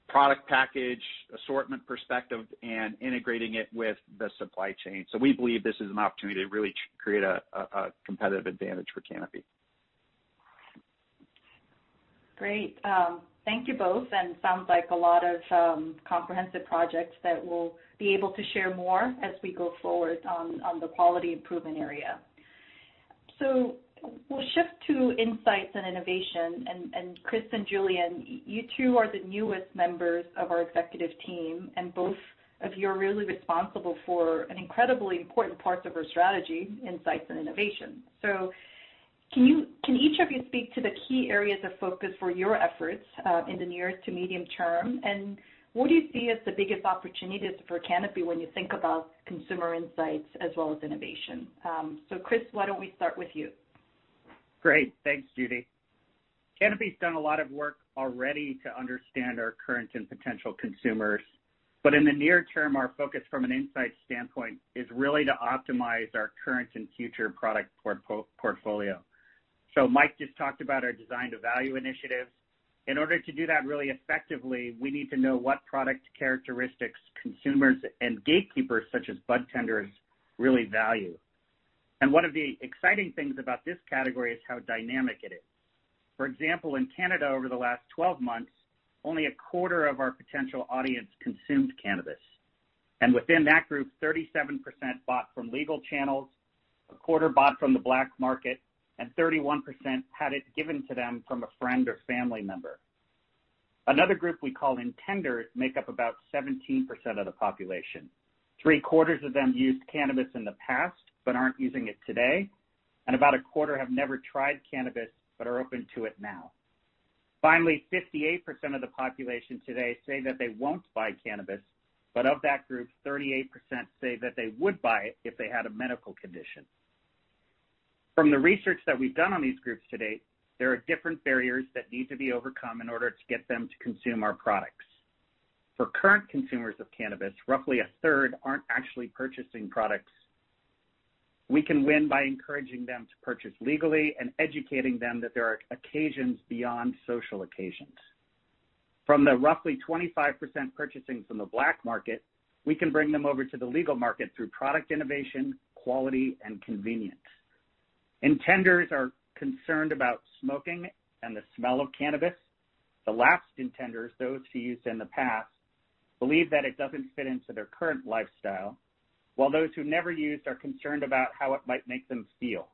product package assortment perspective and integrating it with the supply chain. We believe this is an opportunity to really create a competitive advantage for Canopy. Great. Thank you both. Sounds like a lot of comprehensive projects that we'll be able to share more as we go forward on the quality improvement area. We'll shift to insights and innovation. Chris and Julian, you two are the newest members of our executive team. Both of you are really responsible for an incredibly important part of our strategy, insights and innovation. Could you speak to the key areas of focus for your efforts in the near to medium term? What do you see as the biggest opportunities for Canopy when you think about consumer insights as well as innovation? Chris, why don't we start with you? Great. Thanks, Judy. Canopy's done a lot of work already to understand our current and potential consumers. In the near term, our focus from an insight standpoint is really to optimize our current and future product portfolio. Mike just talked about our design to value initiatives. In order to do that really effectively, we need to know what product characteristics consumers and gatekeepers, such as budtenders, really value. One of the exciting things about this category is how dynamic it is. For example, in Canada over the last 12 months, only a quarter of our potential audience consumed cannabis. Within that group, 37% bought from legal channels, 1/4 bought from the black market, and 31% had it given to them from a friend or family member. Another group we call intenders make up about 17% of the population. Three quarters of them used cannabis in the past but aren't using it today, and about 1/4 have never tried cannabis but are open to it now. Finally, 58% of the population today say that they won't buy cannabis, but of that group, 38% say that they would buy it if they had a medical condition. From the research that we've done on these groups to date, there are different barriers that need to be overcome in order to get them to consume our products. For current consumers of cannabis, roughly 1/3 aren't actually purchasing products. We can win by encouraging them to purchase legally and educating them that there are occasions beyond social occasions. From the roughly 25% purchasing from the black market, we can bring them over to the legal market through product innovation, quality, and convenience. Intenders are concerned about smoking and the smell of cannabis. The lapsed intenders, those who used in the past, believe that it doesn't fit into their current lifestyle, while those who never used are concerned about how it might make them feel.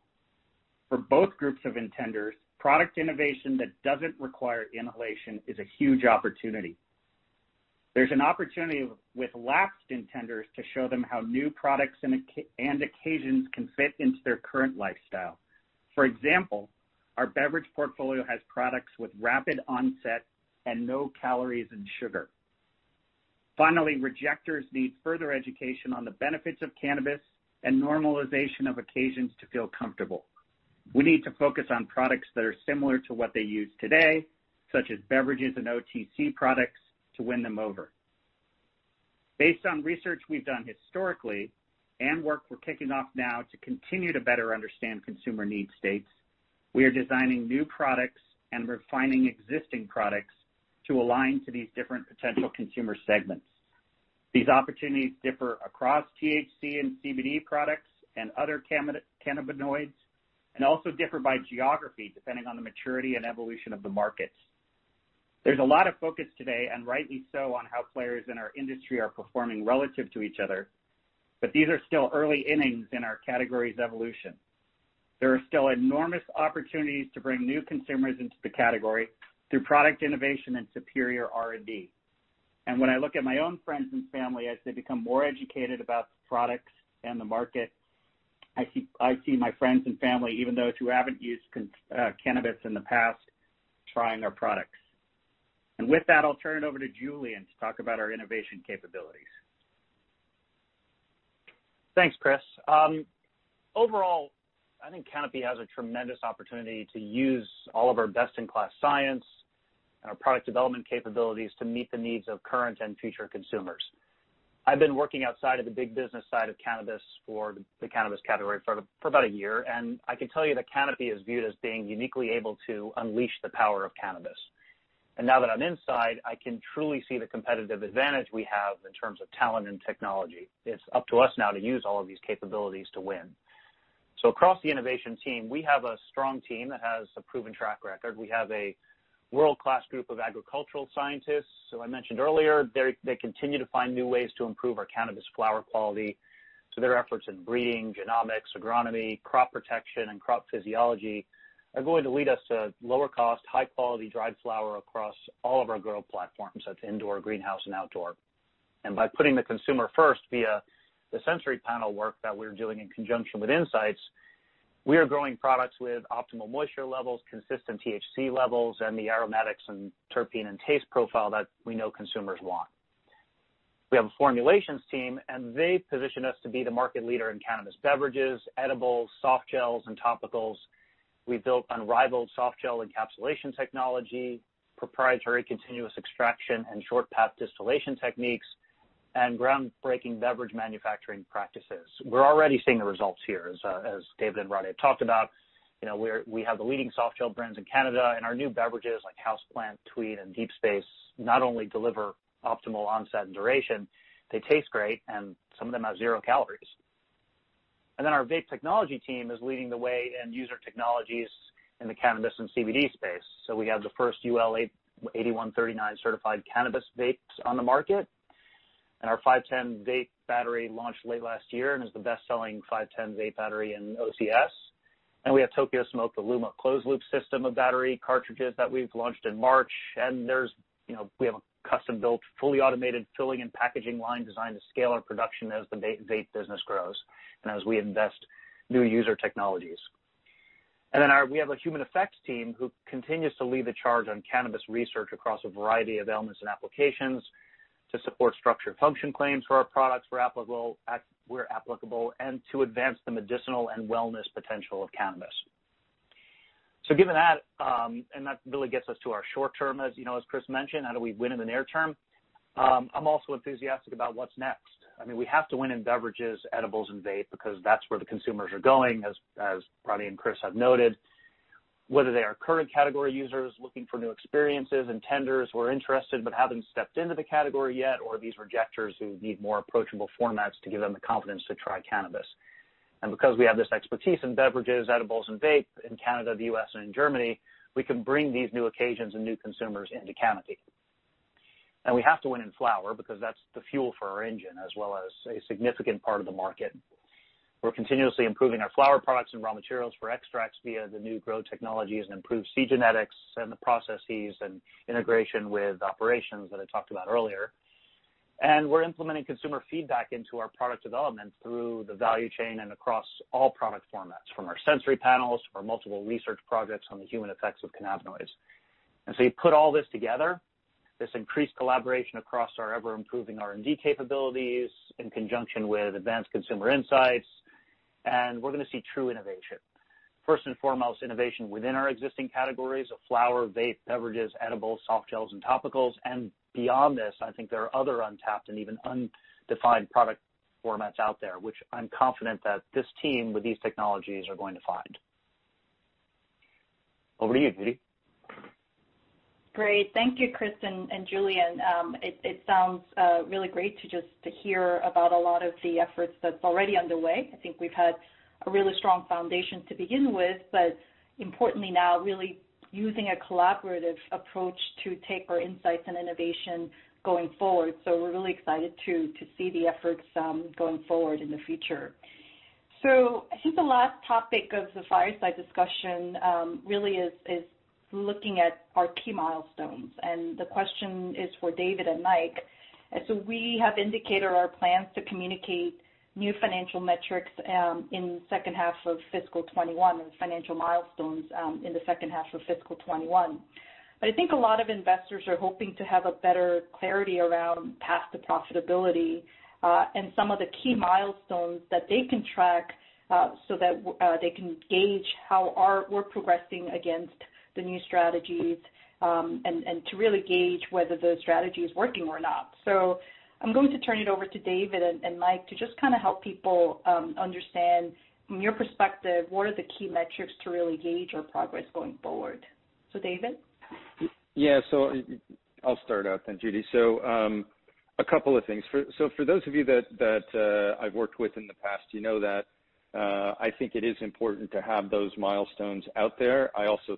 For both groups of intenders, product innovation that doesn't require inhalation is a huge opportunity. There's an opportunity with lapsed intenders to show them how new products and occasions can fit into their current lifestyle. For example, our beverage portfolio has products with rapid onset and no calories and sugar. Finally, rejectors need further education on the benefits of cannabis and normalization of occasions to feel comfortable. We need to focus on products that are similar to what they use today, such as beverages and OTC products, to win them over. Based on research we've done historically and work we're kicking off now to continue to better understand consumer need states, we are designing new products and refining existing products to align to these different potential consumer segments. These opportunities differ across THC and CBD products and other cannabinoids, and also differ by geography, depending on the maturity and evolution of the markets. There's a lot of focus today, and rightly so, on how players in our industry are performing relative to each other. These are still early innings in our category's evolution. There are still enormous opportunities to bring new consumers into the category through product innovation and superior R&D. When I look at my own friends and family, as they become more educated about the products and the market, I see my friends and family, even those who haven't used cannabis in the past, trying our products. With that, I'll turn it over to Julian to talk about our innovation capabilities. Thanks, Chris. Overall, I think Canopy has a tremendous opportunity to use all of our best-in-class science and our product development capabilities to meet the needs of current and future consumers. I've been working outside of the big business side of cannabis for the cannabis category for about a year, and I can tell you that Canopy is viewed as being uniquely able to unleash the power of cannabis. Now that I'm inside, I can truly see the competitive advantage we have in terms of talent and technology. It's up to us now to use all of these capabilities to win. Across the innovation team, we have a strong team that has a proven track record. We have a world-class group of agricultural scientists, who I mentioned earlier. They continue to find new ways to improve our cannabis flower quality. Their efforts in breeding, genomics, agronomy, crop protection, and crop physiology are going to lead us to lower cost, high quality dried flower across all of our grow platforms, so it's indoor, greenhouse, and outdoor. By putting the consumer first via the sensory panel work that we're doing in conjunction with insights, we are growing products with optimal moisture levels, consistent THC levels, and the aromatics and terpene and taste profile that we know consumers want. We have a formulations team, and they position us to be the market leader in cannabis beverages, edibles, soft gels, and topicals. We built unrivaled soft gel encapsulation technology, proprietary continuous extraction, and short path distillation techniques, and groundbreaking beverage manufacturing practices. We're already seeing the results here, as David and Rade have talked about. You know, we have the leading soft gel brands in Canada. Our new beverages, like Houseplant, Tweed, and Deep Space, not only deliver optimal onset and duration, they taste great, and some of them have zero calories. Our vape technology team is leading the way in user technologies in the cannabis and CBD space. We have the first UL 8139 certified cannabis vapes on the market. Our 510 vape battery launched late last year and is the best-selling 510 vape battery in OCS. We have Tokyo Smoke, the Luma closed loop system of battery cartridges that we've launched in March. You know, we have a custom-built, fully automated filling and packaging line designed to scale our production as the vape business grows and as we invest new user technologies. We have a human effects team who continues to lead the charge on cannabis research across a variety of ailments and applications to support structure function claims for our products where applicable, and to advance the medicinal and wellness potential of cannabis. Given that, and that really gets us to our short term, as Chris mentioned, how do we win in the near term? I'm also enthusiastic about what's next. We have to win in beverages, edibles, and vape because that's where the consumers are going, as Rade and Chris have noted. Whether they are current category users looking for new experiences, intenders who are interested but haven't stepped into the category yet, or these rejecters who need more approachable formats to give them the confidence to try cannabis. Because we have this expertise in beverages, edibles, and vape in Canada, the U.S., and in Germany, we can bring these new occasions and new consumers into Canopy. We have to win in flower because that's the fuel for our engine, as well as a significant part of the market. We're continuously improving our flower products and raw materials for extracts via the new grow technologies and improved seed genetics and the processes and integration with operations that I talked about earlier. We're implementing consumer feedback into our product development through the value chain and across all product formats, from our sensory panels to our multiple research projects on the human effects of cannabinoids. You put all this together, this increased collaboration across our ever-improving R&D capabilities, in conjunction with advanced consumer insights, and we're going to see true innovation. First and foremost, innovation within our existing categories of flower, vape, beverages, edibles, soft gels, and topicals. Beyond this, I think there are other untapped and even undefined product formats out there, which I'm confident that this team with these technologies are going to find. Over to you, Judy. Great. Thank you, Chris and Julian. It sounds really great to just to hear about a lot of the efforts that's already underway. I think we've had a really strong foundation to begin with. Importantly now, really using a collaborative approach to take our insights and innovation going forward. We're really excited to see the efforts going forward in the future. I think the last topic of the fireside discussion, really is looking at our key milestones, and the question is for David and Mike. We have indicated our plans to communicate new financial metrics in second half of fiscal 2021 and financial milestones in the second half of fiscal 2021. I think a lot of investors are hoping to have a better clarity around path to profitability, and some of the key milestones that they can track, so that they can gauge how we're progressing against the new strategies, and to really gauge whether the strategy is working or not. I'm going to turn it over to David and Mike to just kind of help people understand from your perspective, what are the key metrics to really gauge our progress going forward. David? Yeah. I'll start out then, Judy. A couple of things. For those of you that I've worked with in the past, you know that I think it is important to have those milestones out there. I also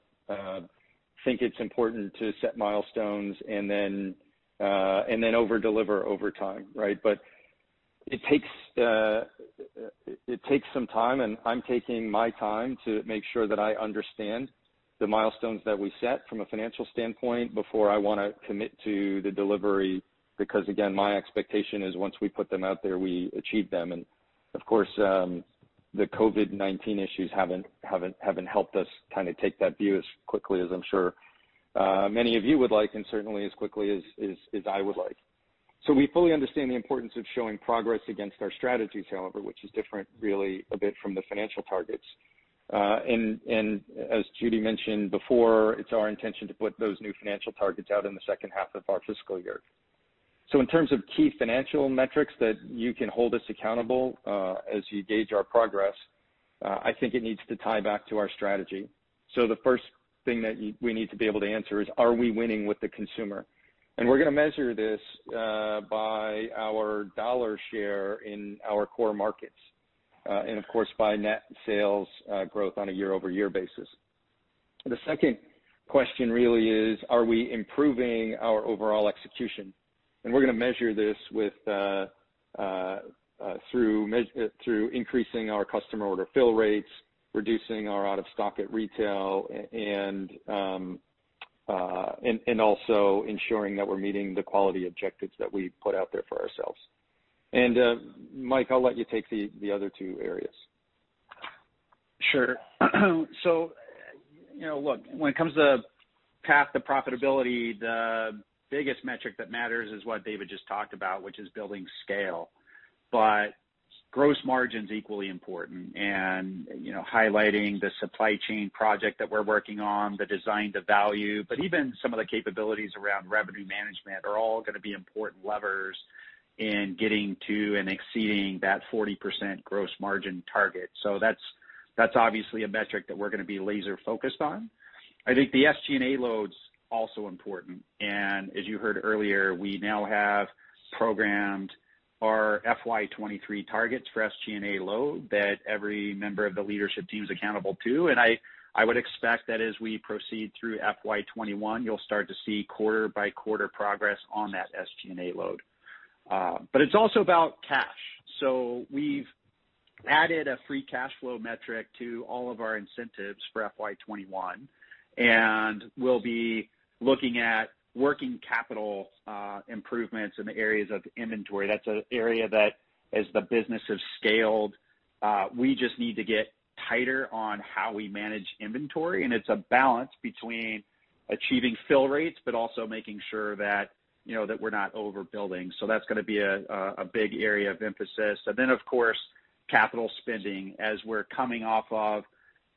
think it's important to set milestones and then over-deliver over time. Right? It takes some time, and I'm taking my time to make sure that I understand the milestones that we set from a financial standpoint before I want to commit to the delivery. Again, my expectation is once we put them out there, we achieve them, and of course, the COVID-19 issues haven't helped us kind of take that view as quickly as I'm sure many of you would like, and certainly as quickly as I would like. We fully understand the importance of showing progress against our strategies, however, which is different really a bit from the financial targets. As Judy mentioned before, it's our intention to put those new financial targets out in the second half of our fiscal year. In terms of key financial metrics that you can hold us accountable, as you gauge our progress, I think it needs to tie back to our strategy. The first thing that we need to be able to answer is, are we winning with the consumer? We're going to measure this by our dollar share in our core markets. Of course, by net sales growth on a year-over-year basis. The second question really is, are we improving our overall execution? We're going to measure this through increasing our customer order fill rates, reducing our out of stock at retail, and also ensuring that we're meeting the quality objectives that we put out there for ourselves. Mike, I'll let you take the other two areas. Sure. Look, when it comes to path to profitability, the biggest metric that matters is what David just talked about, which is building scale. Gross margin's equally important and highlighting the supply chain project that we're working on, the design to value, but even some of the capabilities around revenue management are all going to be important levers in getting to and exceeding that 40% gross margin target. That's obviously a metric that we're going to be laser-focused on. I think the SG&A load is also important, and as you heard earlier, we now have programmed our FY 2023 targets for SG&A load that every member of the leadership team is accountable to. I would expect that as we proceed through FY 2021, you'll start to see quarter-by-quarter progress on that SG&A load. It's also about cash. We've added a free cash flow metric to all of our incentives for FY 2021. We'll be looking at working capital improvements in the areas of inventory. That's an area that as the business has scaled. We just need to get tighter on how we manage inventory, and it's a balance between achieving fill rates, but also making sure that we're not overbuilding. That's going to be a big area of emphasis. Then, of course, capital spending. As we're coming off of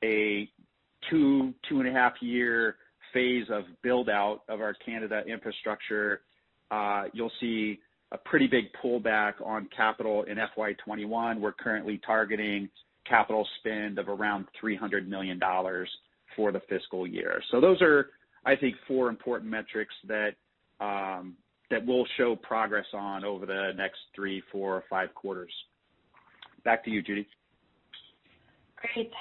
a 2.5 Year phase of build-out of our Canada infrastructure, you'll see a pretty big pullback on capital in FY 2021. We're currently targeting capital spend of around 300 million dollars for the fiscal year. Those are, I think, four important metrics that we'll show progress on over the next three, four or five quarters. Back to you, Judy. Great.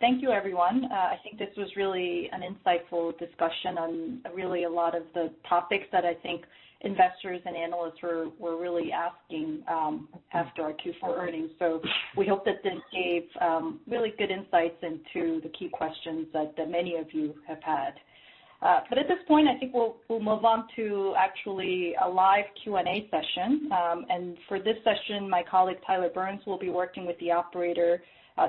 Thank you, everyone. I think this was really an insightful discussion on really a lot of the topics that I think investors and analysts were really asking after our Q4 earnings. We hope that this gave really good insights into the key questions that many of you have had. At this point, I think we'll move on to actually a live Q&A session. For this session, my colleague Tyler Burns will be working with the operator,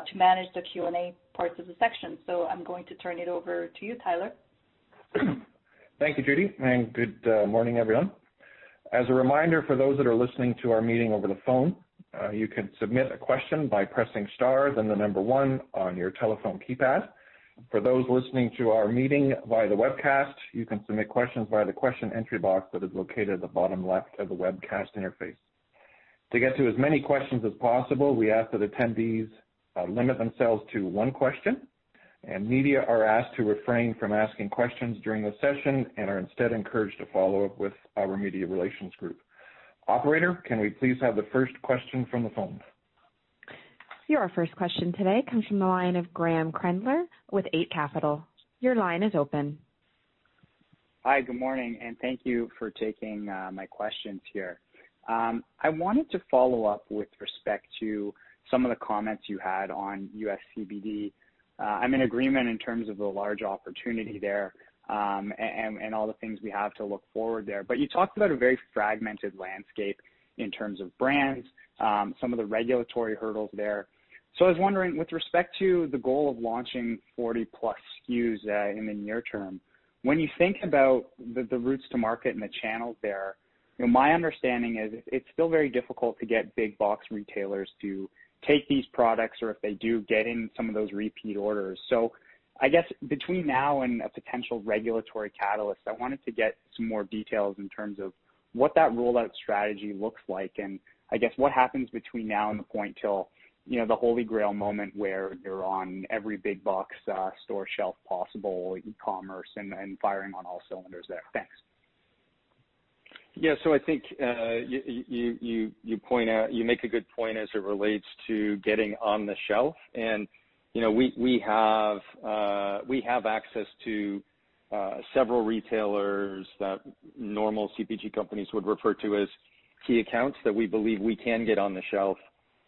to manage the Q&A parts of the section. I'm going to turn it over to you, Tyler. Thank you, Judy, and good morning, everyone. As a reminder for those that are listening to our meeting over the phone, you can submit a question by pressing star, then the number one on your telephone keypad. For those listening to our meeting via the webcast, you can submit questions via the question entry box that is located at the bottom left of the webcast interface. To get to as many questions as possible, we ask that attendees limit themselves to one question, and media are asked to refrain from asking questions during the session and are instead encouraged to follow up with our media relations group. Operator, can we please have the first question from the phone? Your first question today comes from the line of Graeme Kreindler with Eight Capital. Your line is open. Hi, good morning. Thank you for taking my questions here. I wanted to follow up with respect to some of the comments you had on U.S. CBD. I'm in agreement in terms of the large opportunity there, and all the things we have to look forward there. You talked about a very fragmented landscape in terms of brands, some of the regulatory hurdles there. I was wondering, with respect to the goal of launching 40+ SKUs in the near term, when you think about the routes to market and the channels there, my understanding is it's still very difficult to get big box retailers to take these products, or if they do, get in some of those repeat orders. I guess between now and a potential regulatory catalyst, I wanted to get some more details in terms of what that rollout strategy looks like, and I guess what happens between now and the point till the Holy Grail moment where you're on every big box store shelf possible, e-commerce and firing on all cylinders there? Thanks. Yeah. I think you make a good point as it relates to getting on the shelf. We have access to several retailers that normal CPG companies would refer to as key accounts that we believe we can get on the shelf,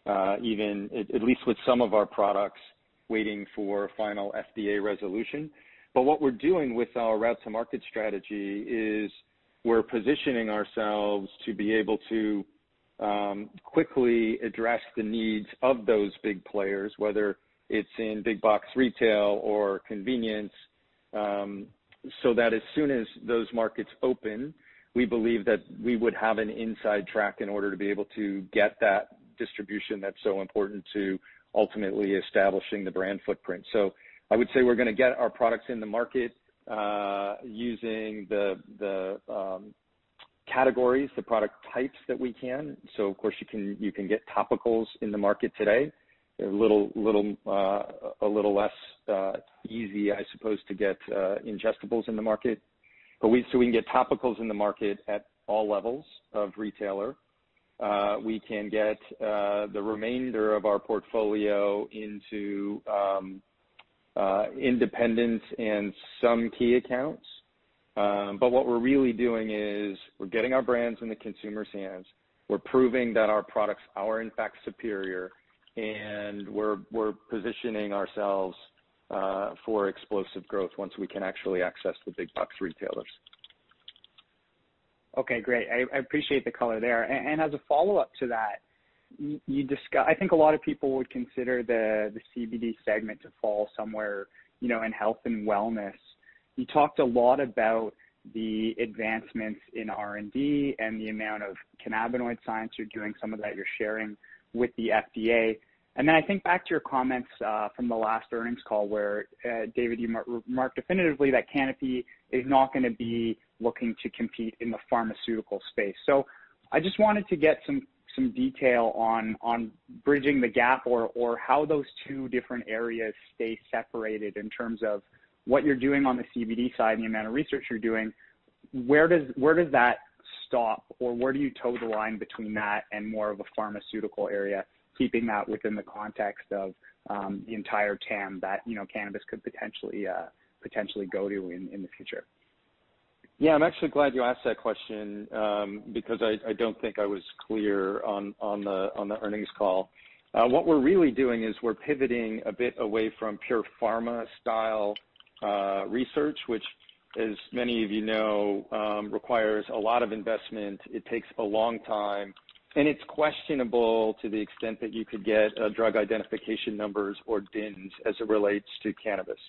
at least with some of our products waiting for final FDA resolution. What we're doing with our route to market strategy is we're positioning ourselves to be able to quickly address the needs of those big players, whether it's in big box retail or convenience, so that as soon as those markets open, we believe that we would have an inside track in order to be able to get that distribution that's so important to ultimately establishing the brand footprint. I would say we're going to get our products in the market, using the categories, the product types that we can. Of course, you can get topicals in the market today. A little less easy, I suppose, to get ingestibles in the market. We can get topicals in the market at all levels of retailer. We can get the remainder of our portfolio into independents and some key accounts. What we're really doing is we're getting our brands in the consumer's hands. We're proving that our products are in fact superior, and we're positioning ourselves for explosive growth once we can actually access the big box retailers. Okay, great. I appreciate the color there. As a follow-up to that, I think a lot of people would consider the CBD segment to fall somewhere in health and wellness. You talked a lot about the advancements in R&D and the amount of cannabinoid science you're doing, some of that you're sharing with the FDA. I think back to your comments from the last earnings call where, David, you remarked definitively that Canopy is not going to be looking to compete in the pharmaceutical space. I just wanted to get some detail on bridging the gap, or how those two different areas stay separated in terms of what you're doing on the CBD side and the amount of research you're doing. Where does that stop, or where do you toe the line between that and more of a pharmaceutical area, keeping that within the context of the entire TAM that cannabis could potentially go to in the future? Yeah, I'm actually glad you asked that question, because I don't think I was clear on the earnings call. What we're really doing is we're pivoting a bit away from pure pharma style research, which, as many of you know, requires a lot of investment, it takes a long time, and it's questionable to the extent that you could get drug identification numbers or DINs as it relates to cannabis.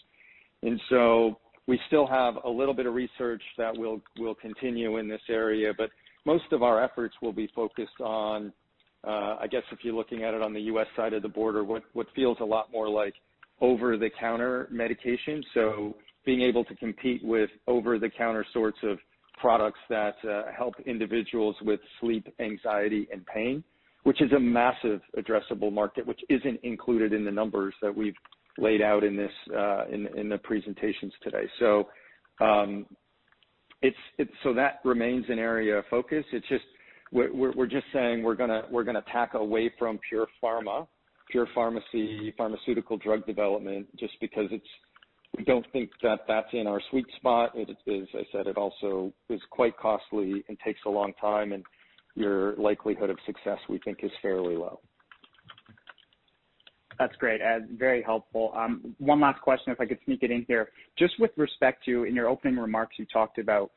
We still have a little bit of research that we'll continue in this area, but most of our efforts will be focused on, I guess, if you're looking at it on the U.S. side of the border, what feels a lot more like over-the-counter medication. Being able to compete with over-the-counter sorts of products that help individuals with sleep, anxiety, and pain, which is a massive addressable market, which isn't included in the numbers that we've laid out in the presentations today. That remains an area of focus. We're just saying we're going to tack away from pure pharma, pure pharmacy, pharmaceutical drug development, just because we don't think that that's in our sweet spot. As I said, it also is quite costly and takes a long time, and your likelihood of success, we think, is fairly low. That's great. Very helpful. One last question, if I could sneak it in here. With respect to, in your opening remarks, you talked about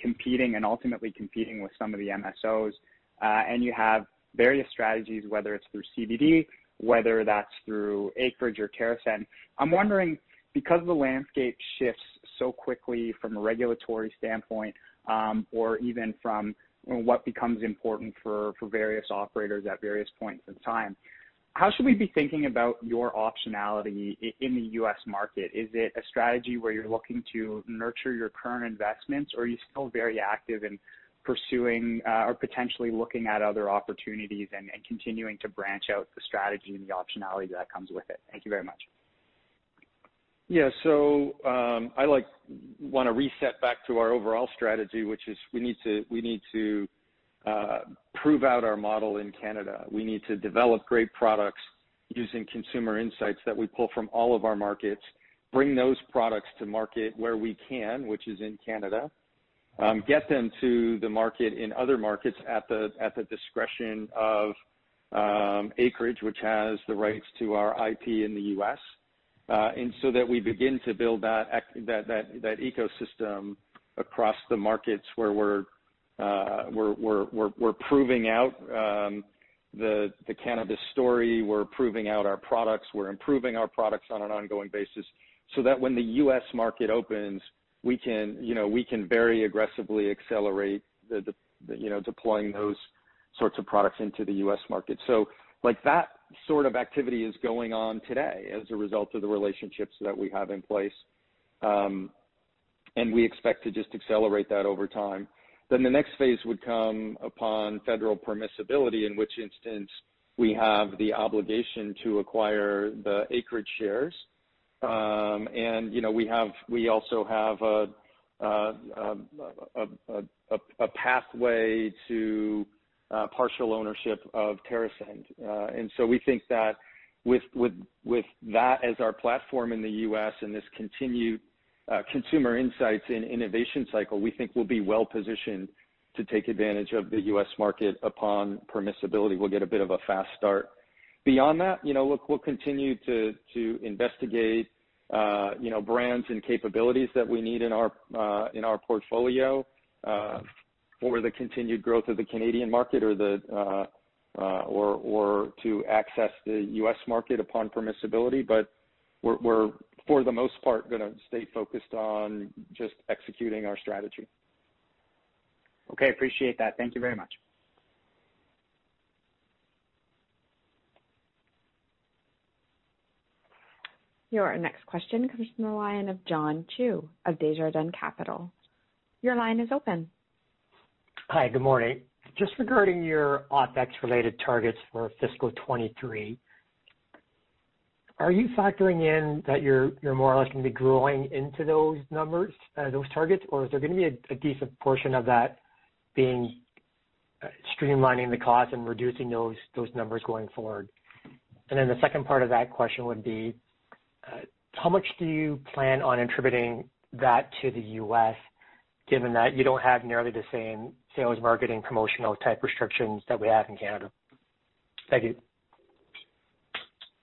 competing and ultimately competing with some of the MSOs, and you have various strategies, whether it's through CBD, whether that's through Acreage or TerrAscend. I'm wondering, because the landscape shifts so quickly from a regulatory standpoint, or even from what becomes important for various operators at various points in time, how should we be thinking about your optionality in the U.S. market? Is it a strategy where you're looking to nurture your current investments, or are you still very active in pursuing or potentially looking at other opportunities and continuing to branch out the strategy and the optionality that comes with it? Thank you very much. Yeah. I want to reset back to our overall strategy, which is we need to prove out our model in Canada. We need to develop great products using consumer insights that we pull from all of our markets, bring those products to market where we can, which is in Canada. Get them to the market in other markets at the discretion of Acreage, which has the rights to our IP in the U.S. That we begin to build that ecosystem across the markets where we're proving out the cannabis story. We're proving out our products. We're improving our products on an ongoing basis, so that when the U.S. market opens, we can very aggressively accelerate deploying those sorts of products into the U.S. market. That sort of activity is going on today as a result of the relationships that we have in place, and we expect to just accelerate that over time. The next phase would come upon federal permissibility, in which instance, we have the obligation to acquire the Acreage shares. We also have a pathway to partial ownership of TerrAscend. We think that with that as our platform in the U.S. and this continued consumer insights and innovation cycle, we think we'll be well-positioned to take advantage of the U.S. market upon permissibility. We'll get a bit of a fast start. Beyond that, we'll continue to investigate brands and capabilities that we need in our portfolio for the continued growth of the Canadian market or to access the U.S. market upon permissibility. We're, for the most part, going to stay focused on just executing our strategy. Okay. Appreciate that. Thank you very much. Your next question comes from the line of John Chu of Desjardins Capital. Your line is open. Hi. Good morning. Just regarding your OpEx related targets for fiscal 2023, are you factoring in that you're more than likely going to be growing into those numbers, those targets, or is there going to be a decent portion of that being streamlining the cost and reducing those numbers going forward? The second part of that question would be, how much do you plan on attributing that to the U.S., given that you don't have nearly the same sales, marketing, promotional type restrictions that we have in Canada? Thank you.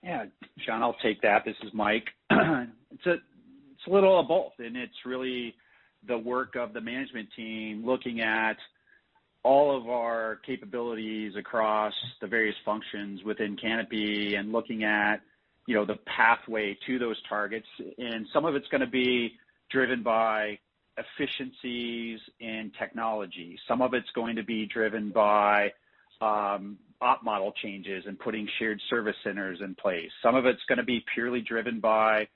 Yeah. John, I'll take that. This is Mike. It's a little of both, and it's really the work of the management team looking at all of our capabilities across the various functions within Canopy and looking at the pathway to those targets. Some of it's going to be driven by efficiencies in technology. Some of it's going to be driven by op model changes and putting shared service centers in place. Some of it's going to be purely driven by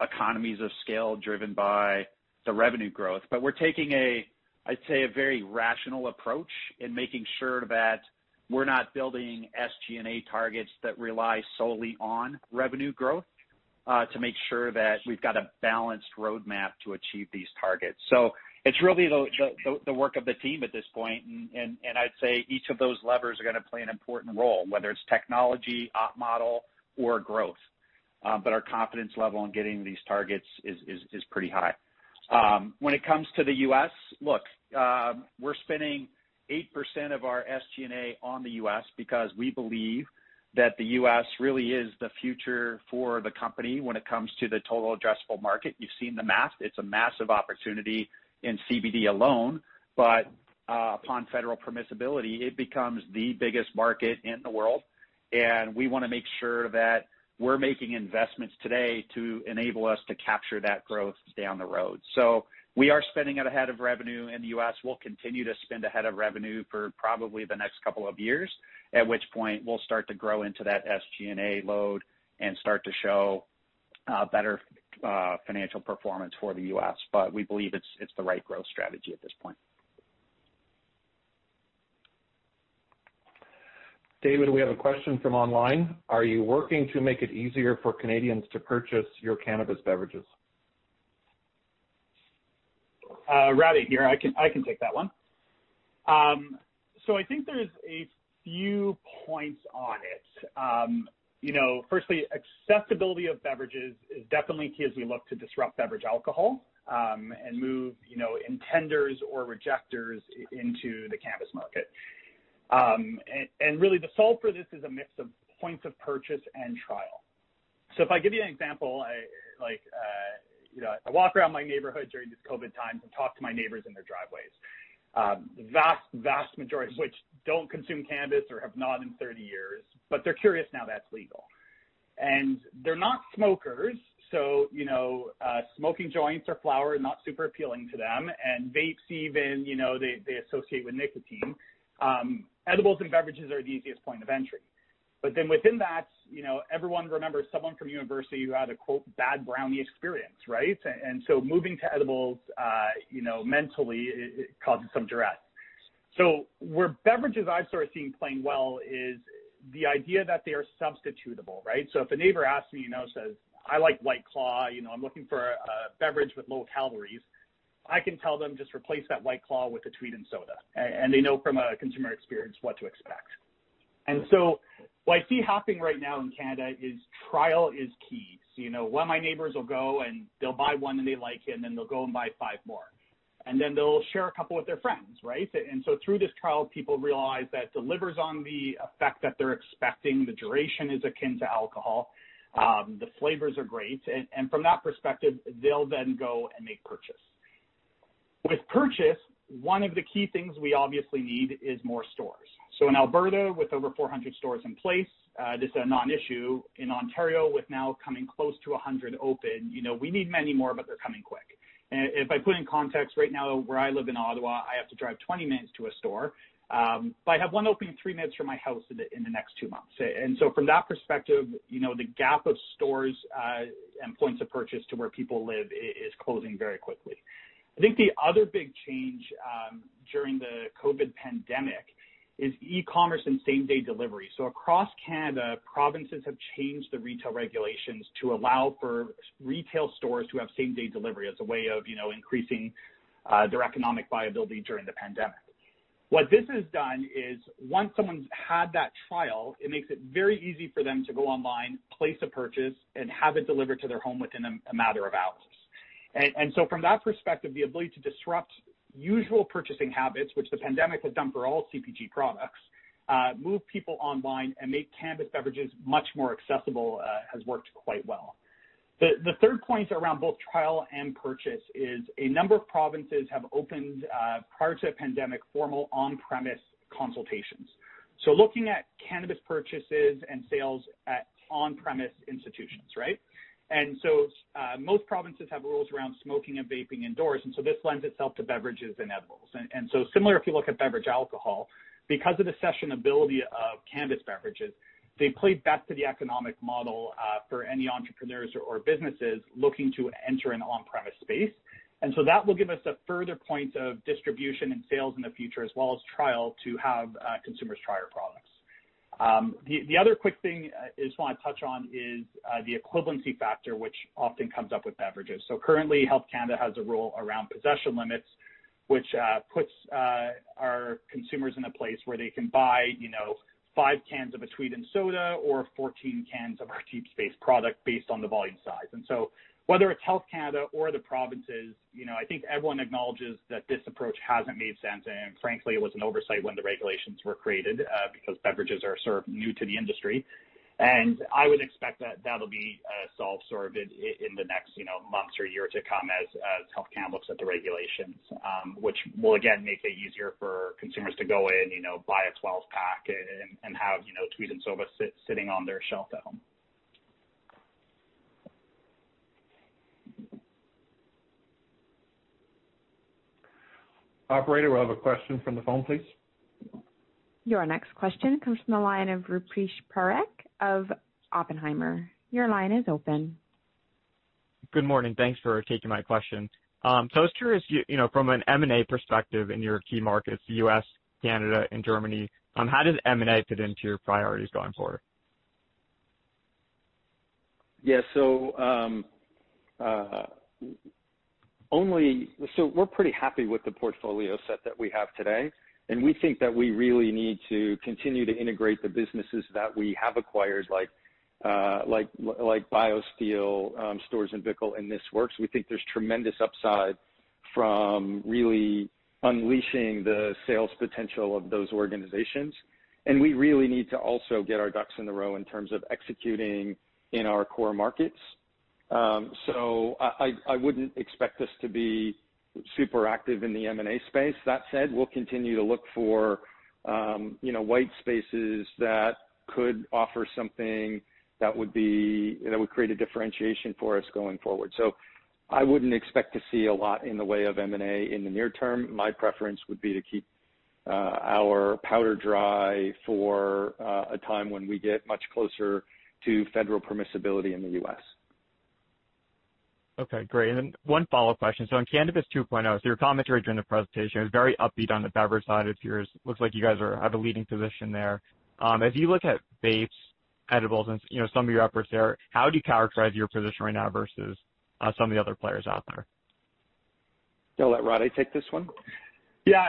economies of scale, driven by the revenue growth. We're taking, I'd say, a very rational approach in making sure that we're not building SG&A targets that rely solely on revenue growth, to make sure that we've got a balanced roadmap to achieve these targets. It's really the work of the team at this point, and I'd say each of those levers are going to play an important role, whether it's technology, op model, or growth. Our confidence level in getting these targets is pretty high. When it comes to the U.S., look, we're spending 8% of our SG&A on the U.S. because we believe that the U.S. really is the future for the company when it comes to the total addressable market. You've seen the math. It's a massive opportunity in CBD alone. Upon federal permissibility, it becomes the biggest market in the world. We want to make sure that we're making investments today to enable us to capture that growth down the road. We are spending it ahead of revenue in the U.S. We'll continue to spend ahead of revenue for probably the next couple of years, at which point we'll start to grow into that SG&A load and start to show better financial performance for the U.S. We believe it's the right growth strategy at this point. David, we have a question from online. Are you working to make it easier for Canadians to purchase your cannabis beverages? Rade here. I can take that one. I think there's a few points on it. Firstly, accessibility of beverages is definitely key as we look to disrupt beverage alcohol, and move intenders or rejecters into the cannabis market. Really, the solve for this is a mix of points of purchase and trial. If I give you an example, I walk around my neighborhood during these COVID times and talk to my neighbors in their driveways. Vast majority of which don't consume cannabis or have not in 30 years, but they're curious now that it's legal. They're not smokers, so smoking joints or flower is not super appealing to them. Vapes, even, they associate with nicotine. Edibles and beverages are the easiest point of entry. Within that, everyone remembers someone from university who had a, quote, bad brownie experience, right? Moving to edibles, mentally, it causes some duress. Where beverages I've sort of seen playing well is the idea that they are substitutable, right? If a neighbor asks me, and says, I like White Claw. I'm looking for a beverage with low calories. I can tell them, just replace that White Claw with a Tweed & Soda. They know from a consumer experience what to expect. What I see happening right now in Canada is trial is key. One of my neighbors will go, and they'll buy one, and they like it, and then they'll go and buy five more. They'll share a couple with their friends, right? Through this trial, people realize that it delivers on the effect that they're expecting. The duration is akin to alcohol. The flavors are great. From that perspective, they'll then go and make purchase. With purchase, one of the key things we obviously need is more stores. In Alberta, with over 400 stores in place, this is a non-issue. In Ontario, with now coming close to 100 open, we need many more, but they're coming quick. If I put in context right now where I live in Ottawa, I have to drive 20 minutes to a store. I have one opening three minutes from my house in the next two months. From that perspective, the gap of stores, and points of purchase to where people live is closing very quickly. I think the other big change during the COVID pandemic is e-commerce and same-day delivery. Across Canada, provinces have changed the retail regulations to allow for retail stores to have same-day delivery as a way of increasing their economic viability during the pandemic. What this has done is once someone's had that trial, it makes it very easy for them to go online, place a purchase, and have it delivered to their home within a matter of hours. From that perspective, the ability to disrupt usual purchasing habits, which the pandemic has done for all CPG products, move people online and make cannabis beverages much more accessible, has worked quite well. The third point around both trial and purchase is a number of provinces have opened, prior to the pandemic, formal on-premise consultations. Looking at cannabis purchases and sales at on-premise institutions. Most provinces have rules around smoking and vaping indoors, this lends itself to beverages and edibles. Similar, if you look at beverage alcohol, because of the session ability of cannabis beverages, they play best to the economic model for any entrepreneurs or businesses looking to enter an on-premise space. That will give us a further point of distribution and sales in the future, as well as trial to have consumers try our products. The other quick thing I just want to touch on is the equivalency factor, which often comes up with beverages. Currently, Health Canada has a rule around possession limits, which puts our consumers in a place where they can buy five cans of a Tweed & Soda, or 14 cans of our Deep Space product based on the volume size. Whether it's Health Canada or the provinces, I think everyone acknowledges that this approach hasn't made sense. Frankly, it was an oversight when the regulations were created, because beverages are sort of new to the industry. I would expect that that'll be solved sort of in the next months or year to come as Health Canada looks at the regulations, which will again, make it easier for consumers to go in, buy a 12-pack and have Tweed & Soda sitting on their shelf at home. Operator, we have a question from the phone, please. Your next question comes from the line of Rupesh Parikh of Oppenheimer. Your line is open. Good morning. Thanks for taking my question. I was curious, from an M&A perspective in your key markets, the U.S., Canada, and Germany, how does M&A fit into your priorities going forward? Yeah. We're pretty happy with the portfolio set that we have today, and we think that we really need to continue to integrate the businesses that we have acquired, like. like BioSteel, Storz & Bickel and This Works. We think there's tremendous upside from really unleashing the sales potential of those organizations, and we really need to also get our ducks in a row in terms of executing in our core markets. I wouldn't expect us to be super active in the M&A space. That said, we'll continue to look for white spaces that could offer something that would create a differentiation for us going forward. I wouldn't expect to see a lot in the way of M&A in the near term. My preference would be to keep our powder dry for a time when we get much closer to federal permissibility in the U.S. Okay, great. One follow-up question. On Cannabis 2.0, so your commentary during the presentation was very upbeat on the beverage side of yours. Looks like you guys have a leading position there. As you look at vapes, edibles, and some of your offers there, how do you characterize your position right now versus some of the other players out there? I'll let Rade take this one. Yeah.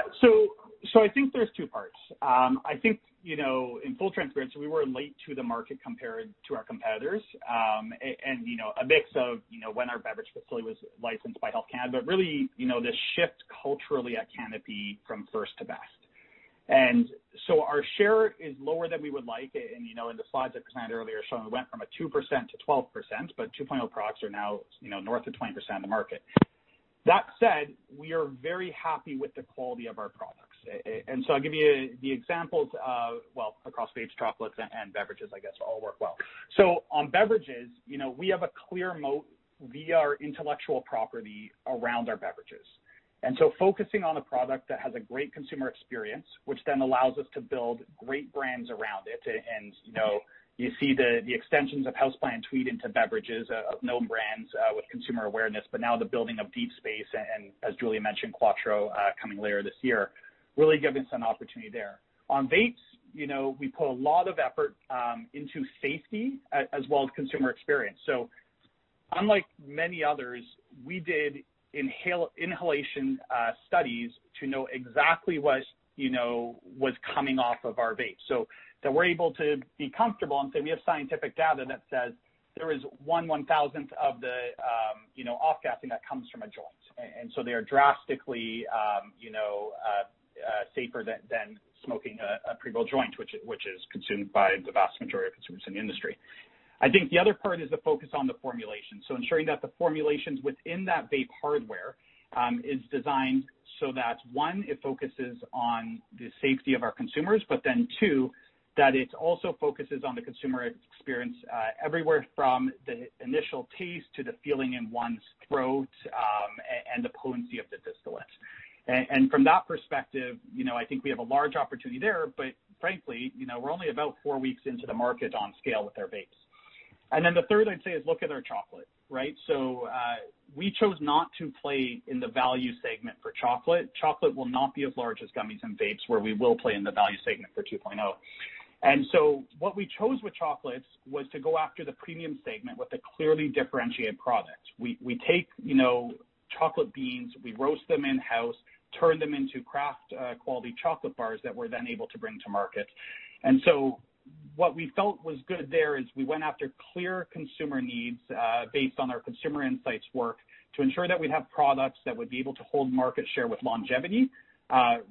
I think there's two parts. I think, in full transparency, we were late to the market compared to our competitors. A mix of when our beverage facility was licensed by Health Canada, but really, the shift culturally at Canopy from first to best. Our share is lower than we would like, and in the slides that were shown earlier, we went from a 2% to 12%, but 2.0 products are now north of 20% of the market. That said, we are very happy with the quality of our products. I'll give you the examples of, well, across vapes, chocolates, and beverages, I guess, all work well. On beverages, we have a clear moat via our intellectual property around our beverages. Focusing on a product that has a great consumer experience, which then allows us to build great brands around it, you see the extensions of Houseplant, Tweed into beverages of known brands with consumer awareness, but now the building of Deep Space, and as Julian mentioned, Quatreau coming later this year, really giving us an opportunity there. On vapes, we put a lot of effort into safety as well as consumer experience. Unlike many others, we did inhalation studies to know exactly what was coming off of our vape. We're able to be comfortable and say we have scientific data that says there is 0.001 of the off-gassing that comes from a joint. They are drastically safer than smoking a pre-rolled joint, which is consumed by the vast majority of consumers in the industry. I think the other part is the focus on the formulation. Ensuring that the formulations within that vape hardware is designed that, one, it focuses on the safety of our consumers, two, that it also focuses on the consumer experience, everywhere from the initial taste to the feeling in one's throat, and the potency of the distillate. From that perspective, I think we have a large opportunity there, but frankly, we're only about four weeks into the market on scale with our vapes. The third I'd say is look at our chocolate. Right? We chose not to play in the value segment for chocolate. Chocolate will not be as large as gummies and vapes, where we will play in the value segment for 2.0. What we chose with chocolates was to go after the premium segment with a clearly differentiated product. We take chocolate beans, we roast them in-house, turn them into craft quality chocolate bars that we're then able to bring to market. What we felt was good there is we went after clear consumer needs, based on our consumer insights work, to ensure that we'd have products that would be able to hold market share with longevity,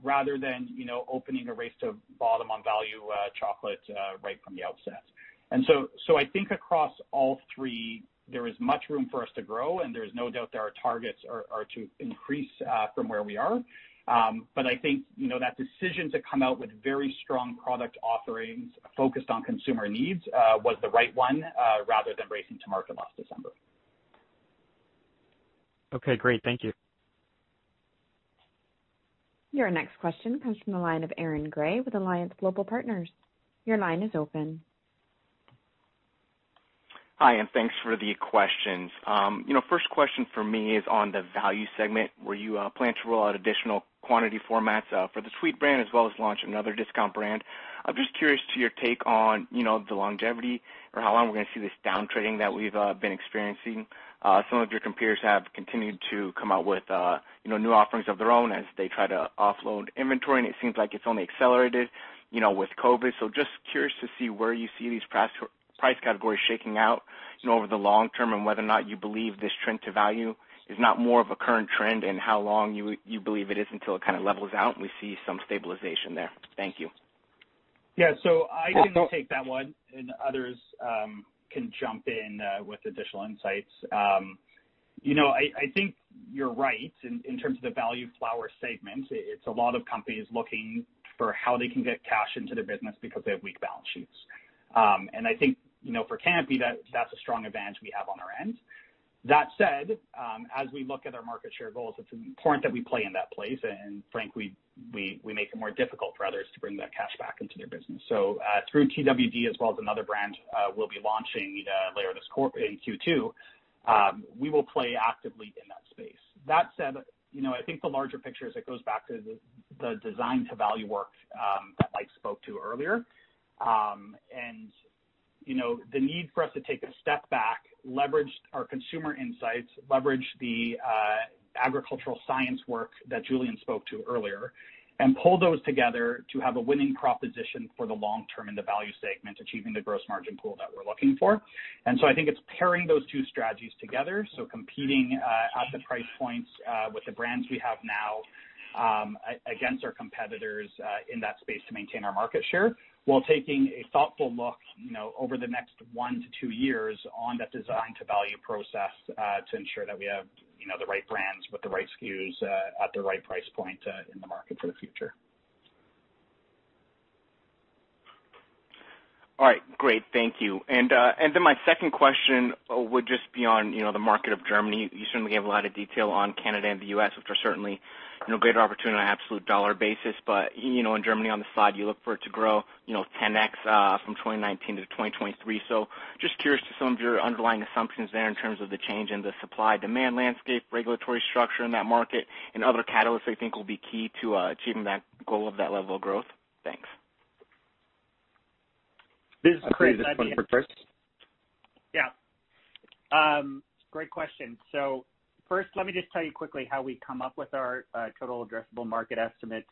rather than opening a race to bottom on value chocolate right from the outset. I think across all three, there is much room for us to grow, and there's no doubt that our targets are to increase from where we are. I think that decision to come out with very strong product offerings focused on consumer needs, was the right one, rather than racing to market last December. Okay, great. Thank you. Your next question comes from the line of Aaron Grey with Alliance Global Partners. Your line is open. Hi, thanks for the questions. First question from me is on the value segment, where you plan to roll out additional quantity formats for the Tweed brand as well as launch another discount brand. I'm just curious to your take on the longevity, or how long we're going to see this downtrending that we've been experiencing. Some of your competitors have continued to come out with new offerings of their own as they try to offload inventory, and it seems like it's only accelerated with COVID-19. Just curious to see where you see these price categories shaking out over the long term, and whether or not you believe this trend to value is not more of a current trend, and how long you believe it is until it kind of levels out and we see some stabilization there. Thank you. Yeah. I can take that one, and others can jump in with additional insights. I think you're right in terms of the value flower segment. It's a lot of companies looking for how they can get cash into their business because they have weak balance sheets. I think for Canopy, that's a strong advantage we have on our end. That said, as we look at our market share goals, it's important that we play in that place, and frankly, we make it more difficult for others to bring that cash back into their business. Through Twd. as well as another brand we'll be launching later this quarter in Q2, we will play actively in that space. That said, I think the larger picture is it goes back to the design to value work that Mike spoke to earlier. The need for us to take a step back, leverage our consumer insights, leverage the agricultural science work that Julian spoke to earlier, and pull those together to have a winning proposition for the long term in the value segment, achieving the gross margin pool that we're looking for. I think it's pairing those two strategies together, so competing at the price points with the brands we have now, against our competitors in that space to maintain our market share, while taking a thoughtful look over the next one to two years on that design to value process, to ensure that we have the right brands with the right SKUs at the right price point in the market for the future. All right, great. Thank you. My second question would just be on the market of Germany. You certainly gave a lot of detail on Canada and the U.S., which are certainly greater opportunity on an absolute dollar basis. In Germany, on the side, you look for it to grow 10x from 2019 to 2023. Just curious to some of your underlying assumptions there in terms of the change in the supply-demand landscape, regulatory structure in that market, and other catalysts that you think will be key to achieving that goal of that level of growth. Thanks. this one for Chris? Yeah. Great question. First, let me just tell you quickly how we come up with our total addressable market estimates.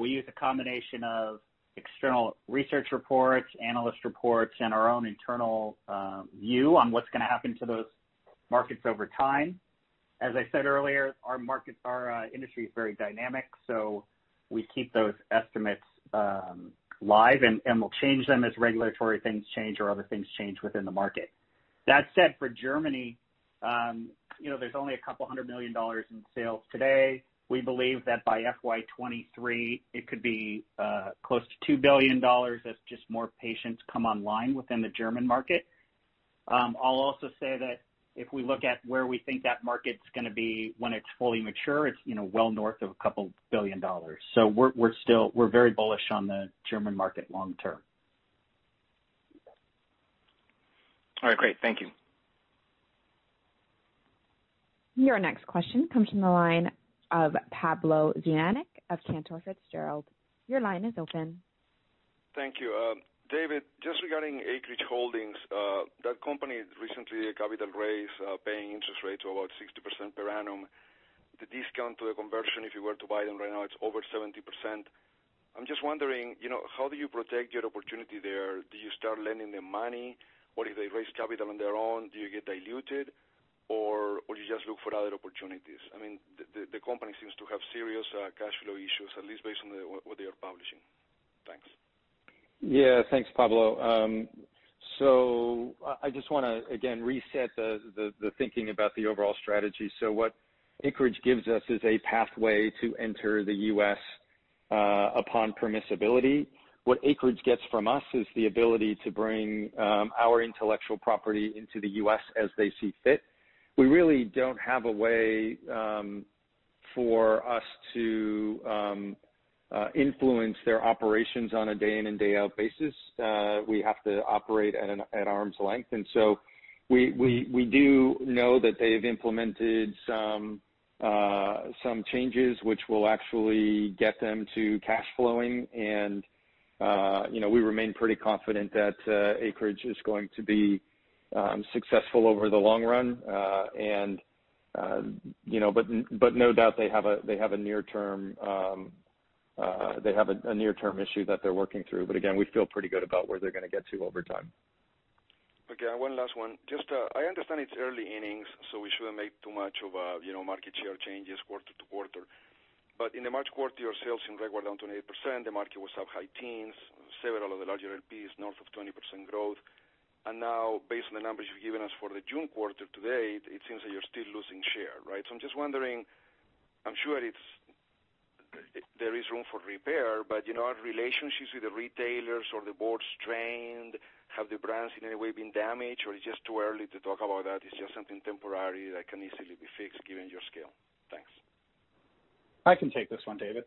We use a combination of external research reports, analyst reports, and our own internal view on what's going to happen to those markets over time. As I said earlier, our industry is very dynamic, so we keep those estimates live and we'll change them as regulatory things change or other things change within the market. That said, for Germany, there's only a couple hundred million dollars in sales today. We believe that by FY 2023 it could be close to 2 billion dollars as just more patients come online within the German market. I'll also say that if we look at where we think that market's going to be when it's fully mature, it's well north of a couple billion dollars. We're very bullish on the German market long term. All right, great. Thank you. Your next question comes from the line of Pablo Zuanic of Cantor Fitzgerald. Your line is open. Thank you. David, just regarding Acreage Holdings, that company recently a capital raise, paying interest rates of about 60% per annum. The discount to a conversion, if you were to buy them right now, it is over 70%. I am just wondering, how do you protect your opportunity there? Do you start lending them money, or if they raise capital on their own, do you get diluted, or do you just look for other opportunities? The company seems to have serious cash flow issues, at least based on what they are publishing. Thanks. Yeah. Thanks, Pablo. I just want to, again, reset the thinking about the overall strategy. What Acreage gives us is a pathway to enter the U.S. upon permissibility. What Acreage gets from us is the ability to bring our intellectual property into the U.S. as they see fit. We really don't have a way for us to influence their operations on a day in and day out basis. We have to operate at arm's length. We do know that they've implemented some changes which will actually get them to cash flowing, and we remain pretty confident that Acreage is going to be successful over the long run. No doubt they have a near-term issue that they're working through. Again, we feel pretty good about where they're going to get to over time. Okay. One last one. I understand it's early innings, we shouldn't make too much of market share changes quarter-to-quarter. In the March quarter, your sales seem quite down to 28%, the market was up high teens, several of the larger LPs north of 20% growth. Now based on the numbers you've given us for the June quarter to date, it seems that you're still losing share. Right? I'm just wondering, I'm sure there is room for repair, but are relationships with the retailers or the board strained? Have the brands in any way been damaged, or it's just too early to talk about that, it's just something temporary that can easily be fixed given your scale? Thanks. I can take this one, David.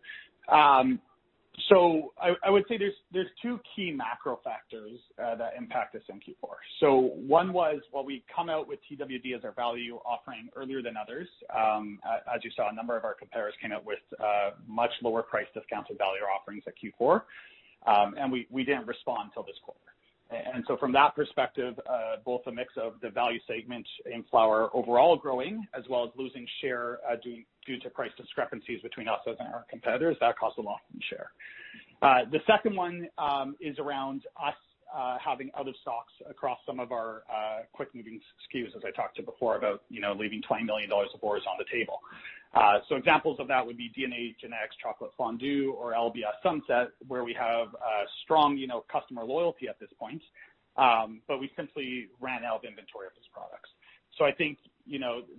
I would say there's two key macro factors that impact us in Q4. One was while we come out with Twd. as our value offering earlier than others. As you saw, a number of our competitors came out with much lower price discounted value offerings at Q4, and we didn't respond till this quarter. From that perspective, both a mix of the value segment in flower overall growing as well as losing share due to price discrepancies between us and our competitors, that cost a loss in share. The second one is around us having out of stocks across some of our quick-moving SKUs, as I talked to before about leaving 20 million dollars of ours on the table. Examples of that would be DNA Genetics Chocolate Fondue or LBS Sunset, where we have strong customer loyalty at this point. We simply ran out of inventory of these products. I think,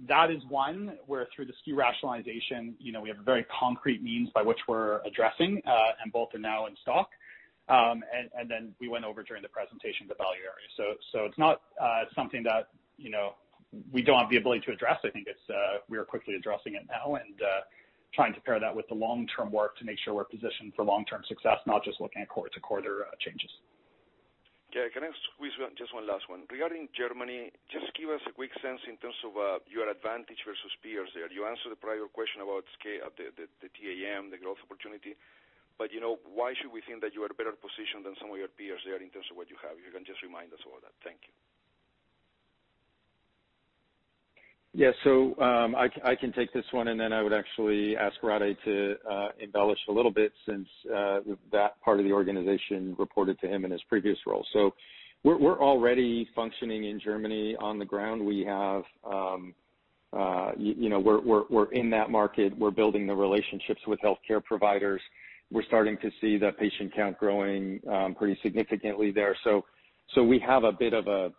that is one where through the SKU rationalization, we have a very concrete means by which we're addressing, and both are now in stock. Then we went over during the presentation the value area. It's not something that we don't have the ability to address. I think we are quickly addressing it now and trying to pair that with the long-term work to make sure we're positioned for long-term success, not just looking at quarter-to-quarter changes. Okay. Can I squeeze just one last one? Regarding Germany, just give us a quick sense in terms of your advantage versus peers there. You answered the prior question about the TAM, the growth opportunity. Why should we think that you are better positioned than some of your peers there in terms of what you have? You can just remind us all that. Thank you. Yes. I can take this one, and then I would actually ask Rade to embellish a little bit since that part of the organization reported to him in his previous role. We're already functioning in Germany. On the ground, we're in that market. We're building the relationships with healthcare providers. We're starting to see the patient count growing pretty significantly there. We have a bit of a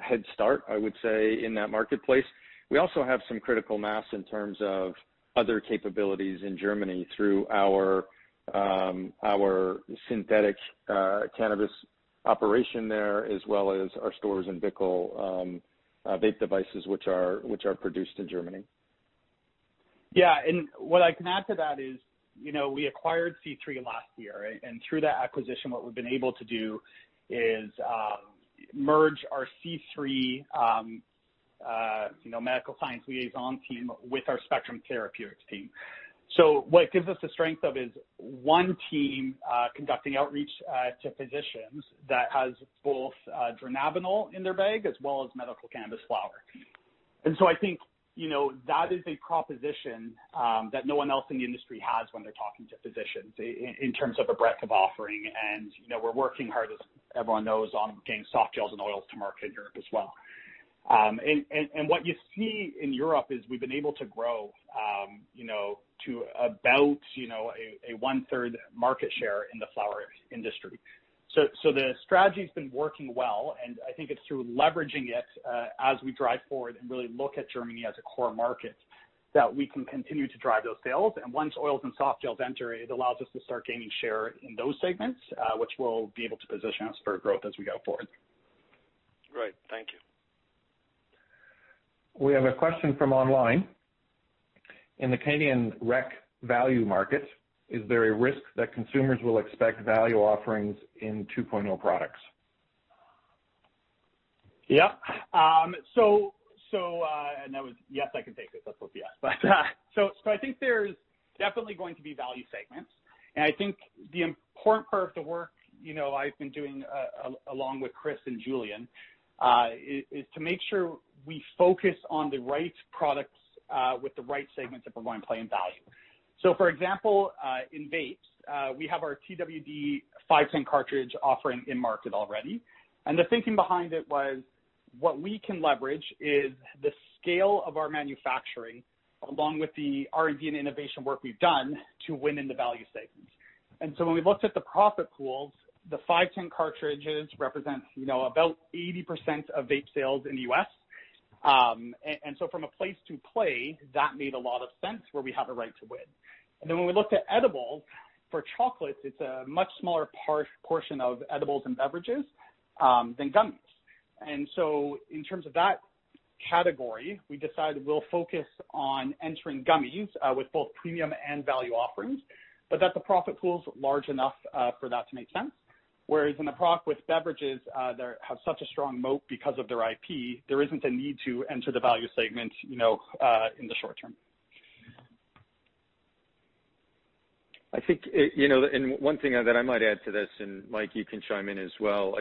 head start, I would say, in that marketplace. We also have some critical mass in terms of other capabilities in Germany through our synthetic cannabis operation there, as well as our Storz & Bickel vape devices, which are produced in Germany. Yeah. What I can add to that is, we acquired C3 last year, and through that acquisition, what we've been able to do is merge our C3 medical science liaison team with our Spectrum Therapeutics team. What it gives us the strength of is one team conducting outreach to physicians that has both dronabinol in their bag as well as medical cannabis flower. I think that is a proposition that no one else in the industry has when they're talking to physicians in terms of a breadth of offering. We're working hard, as everyone knows, on getting soft gels and oils to market in Europe as well. What you see in Europe is we've been able to grow to about a 1/3 market share in the flower industry. The strategy's been working well, and I think it's through leveraging it as we drive forward and really look at Germany as a core market that we can continue to drive those sales. Once oils and soft gels enter it allows us to start gaining share in those segments, which will be able to position us for growth as we go forward. Great. Thank you. We have a question from online. In the Canadian rec value market, is there a risk that consumers will expect value offerings in 2.0 products? That was, I can take this. I think there's definitely going to be value segments. I think the important part of the work I've been doing, along with Chris and Julian, is to make sure we focus on the right products, with the right segments at the right play and value. For example, in vapes, we have our Twd. 510 cartridge offering in market already. The thinking behind it was what we can leverage is the scale of our manufacturing, along with the R&D and innovation work we've done to win in the value segments. When we looked at the profit pools, the 510 cartridges represent about 80% of vape sales in the U.S. From a place to play, that made a lot of sense where we have a right to win. When we looked at edibles for chocolates, it's a much smaller portion of edibles and beverages than gummies. In terms of that category, we decided we'll focus on entering gummies with both premium and value offerings, but that the profit pool's large enough for that to make sense. Whereas with beverages, they have such a strong moat because of their IP, there isn't a need to enter the value segment in the short term. One thing that I might add to this, and Mike, you can chime in as well,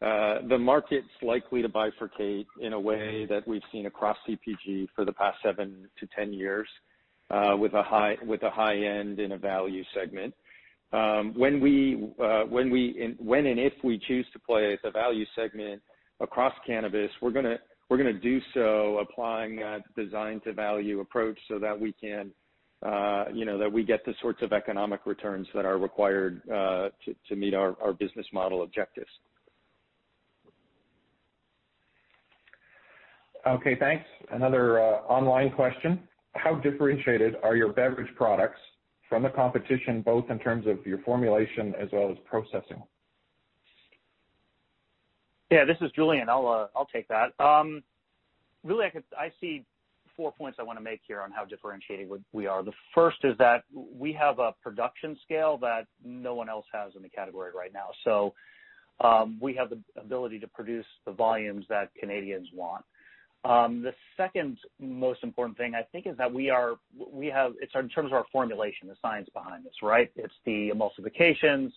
the market's likely to bifurcate in a way that we've seen across CPG for the past 7-10 years, with a high end and a value segment. When and if we choose to play the value segment across cannabis, we're going to do so applying a design to value approach so that we get the sorts of economic returns that are required to meet our business model objectives. Okay, thanks. Another online question. How differentiated are your beverage products from the competition, both in terms of your formulation as well as processing? Yeah, this is Julian. I'll take that. Really, I see four points I want to make here on how differentiated we are. The first is that we have a production scale that no one else has in the category right now. We have the ability to produce the volumes that Canadians want. The second most important thing, I think, is that it's in terms of our formulation, the science behind this, right? It's the emulsifications,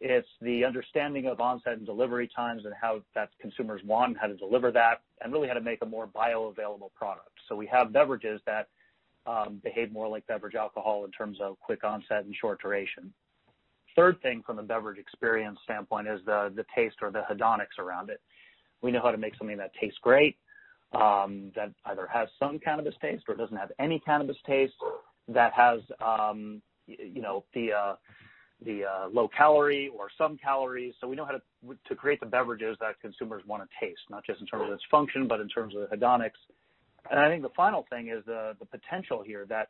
it's the understanding of onset and delivery times and how that consumers want, how to deliver that, and really how to make a more bioavailable product. We have beverages that behave more like beverage alcohol in terms of quick onset and short duration. The third thing from the beverage experience standpoint is the taste or the hedonics around it. We know how to make something that tastes great, that either has some cannabis taste or doesn't have any cannabis taste, that has the low calorie or some calories. We know how to create the beverages that consumers want to taste, not just in terms of its function, but in terms of the hedonics. I think the final thing is the potential here that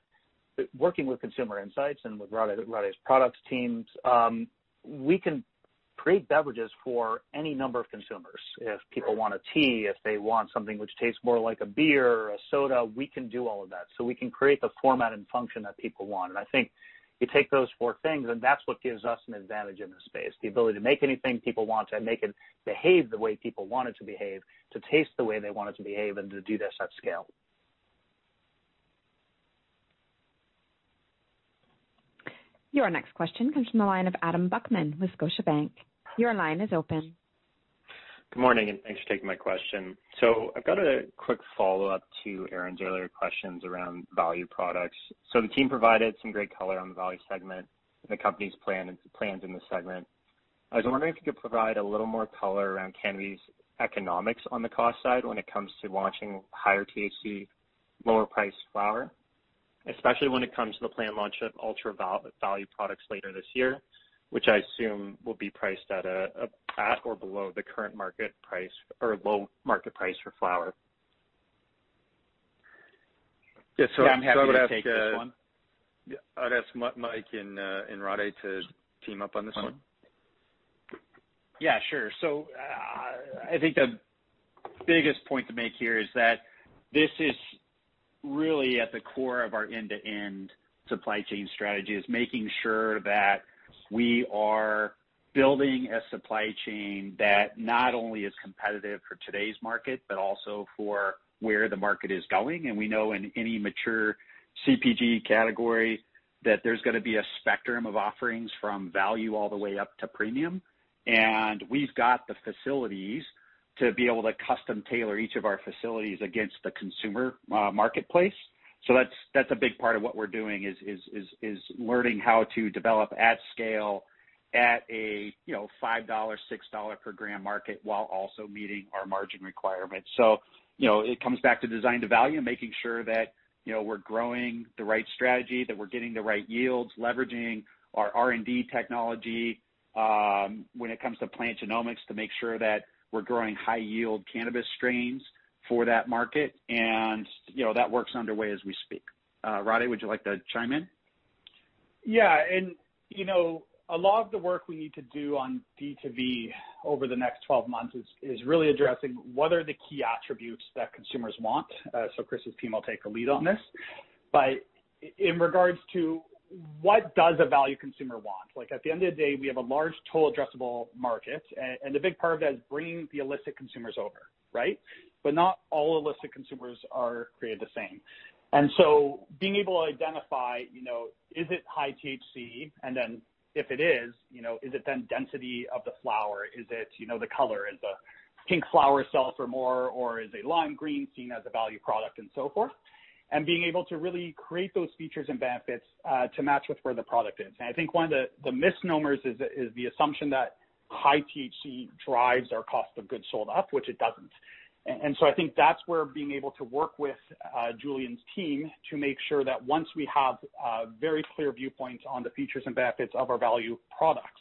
working with consumer insights and with Rade's products teams, we can create beverages for any number of consumers. If people want a tea, if they want something which tastes more like a beer or a soda, we can do all of that. We can create the format and function that people want. I think you take those four things, and that's what gives us an advantage in this space. The ability to make anything people want and make it behave the way people want it to behave, to taste the way they want it to behave, and to do this at scale. Your next question comes from the line of Adam Buckham with Scotiabank. Your line is open. Good morning, and thanks for taking my question. I've got a quick follow-up to Aaron's earlier questions around value products. The team provided some great color on the value segment and the company's plans in this segment. I was wondering if you could provide a little more color around Canopy's economics on the cost side when it comes to launching higher THC, lower priced flower, especially when it comes to the planned launch of ultra-value products later this year, which I assume will be priced at or below the current market price for flower. Yeah. I'm happy to take this one. I'd ask Mike and Rade to team up on this one. Yeah, sure. I think the biggest point to make here is that this is really at the core of our end-to-end supply chain strategy, is making sure that we are building a supply chain that not only is competitive for today's market, but also for where the market is going. We know in any mature CPG category that there's going to be a spectrum of offerings from value all the way up to premium. We've got the facilities to be able to custom tailor each of our facilities against the consumer marketplace. That's a big part of what we're doing, is learning how to develop at scale at a 5 dollar, 6 dollar per gram market, while also meeting our margin requirements. It comes back to design to value, making sure that we're growing the right strategy, that we're getting the right yields, leveraging our R&D technology, when it comes to plant genomics, to make sure that we're growing high yield cannabis strains for that market. That work's underway as we speak. Rade, would you like to chime in? Yeah. A lot of the work we need to do on D2V over the next 12 months is really addressing what are the key attributes that consumers want. Chris' team will take a lead on this. In regards to what does a value consumer want? At the end of the day, we have a large Total Addressable Market, and the big part of that is bringing the illicit consumers over, right? Not all illicit consumers are created the same. Being able to identify, is it high THC? If it is it then density of the flower? Is it the color? Is the pink flower sell for more, or is a lime green seen as a value product and so forth? Being able to really create those features and benefits, to match with where the product is. I think one of the misnomers is the assumption that high THC drives our cost of goods sold up, which it doesn't. I think that's where being able to work with Julian's team to make sure that once we have a very clear viewpoint on the features and benefits of our value products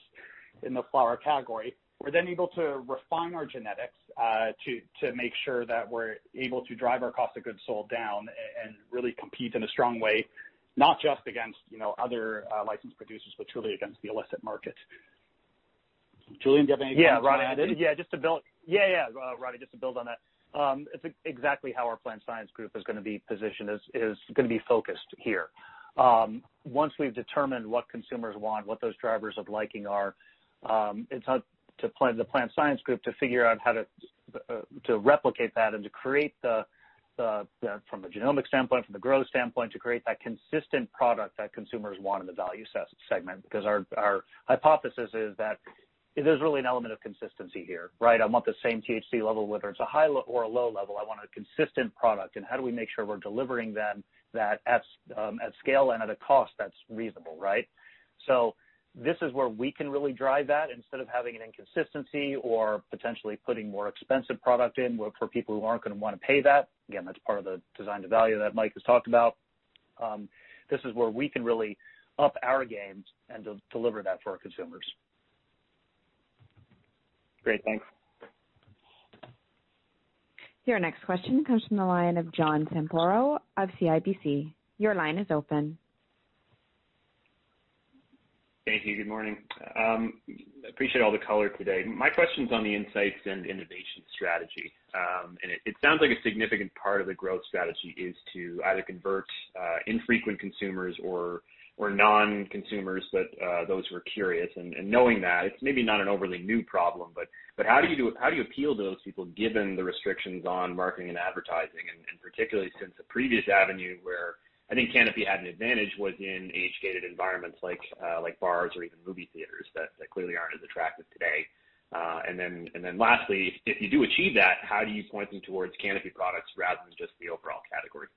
in the flower category, we're then able to refine our genetics to make sure that we're able to drive our cost of goods sold down and really compete in a strong way, not just against other licensed producers, but truly against the illicit market. Julian, do you have anything to add? Yeah, Rade, just to build on that. It's exactly how our plant science group is going to be focused here. Once we've determined what consumers want, what those drivers of liking are, it's up to the plant science group to figure out how to replicate that and to create, from a genomic standpoint, from the growth standpoint, to create that consistent product that consumers want in the value segment. Our hypothesis is that there's really an element of consistency here, right? I want the same THC level, whether it's a high level or a low level. I want a consistent product, and how do we make sure we're delivering them that at scale and at a cost that's reasonable, right? This is where we can really drive that instead of having an inconsistency or potentially putting more expensive product in for people who aren't going to want to pay that. Again, that's part of the design to value that Mike has talked about. This is where we can really up our games and deliver that for our consumers. Great. Thanks. Your next question comes from the line of John Zamparo of CIBC. Your line is open. Thank you. Good morning. I appreciate all the color today. My question's on the insights and innovation strategy. It sounds like a significant part of the growth strategy is to either convert infrequent consumers or non-consumers, but those who are curious, and knowing that it's maybe not an overly new problem, but how do you appeal to those people given the restrictions on marketing and advertising, and particularly since a previous avenue where I think Canopy had an advantage was in age-gated environments like bars or even movie theaters that clearly aren't as attractive today. Lastly, if you do achieve that, how do you point them towards Canopy products rather than just the overall category?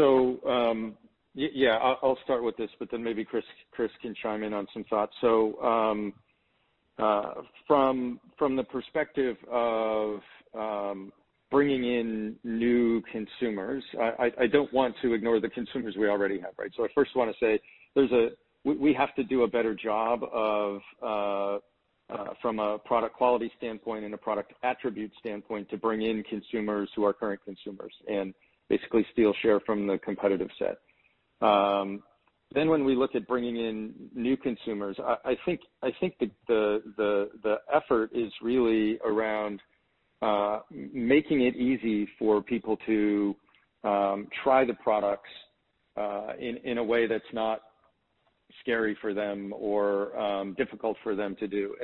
Thanks. Yeah. I'll start with this, but then maybe Chris can chime in on some thoughts. From the perspective of bringing in new consumers, I don't want to ignore the consumers we already have, right? I first want to say we have to do a better job from a product quality standpoint and a product attribute standpoint to bring in consumers who are current consumers and basically steal share from the competitive set. When we look at bringing in new consumers, I think the effort is really around making it easy for people to try the products in a way that's not scary for them or difficult for them to do.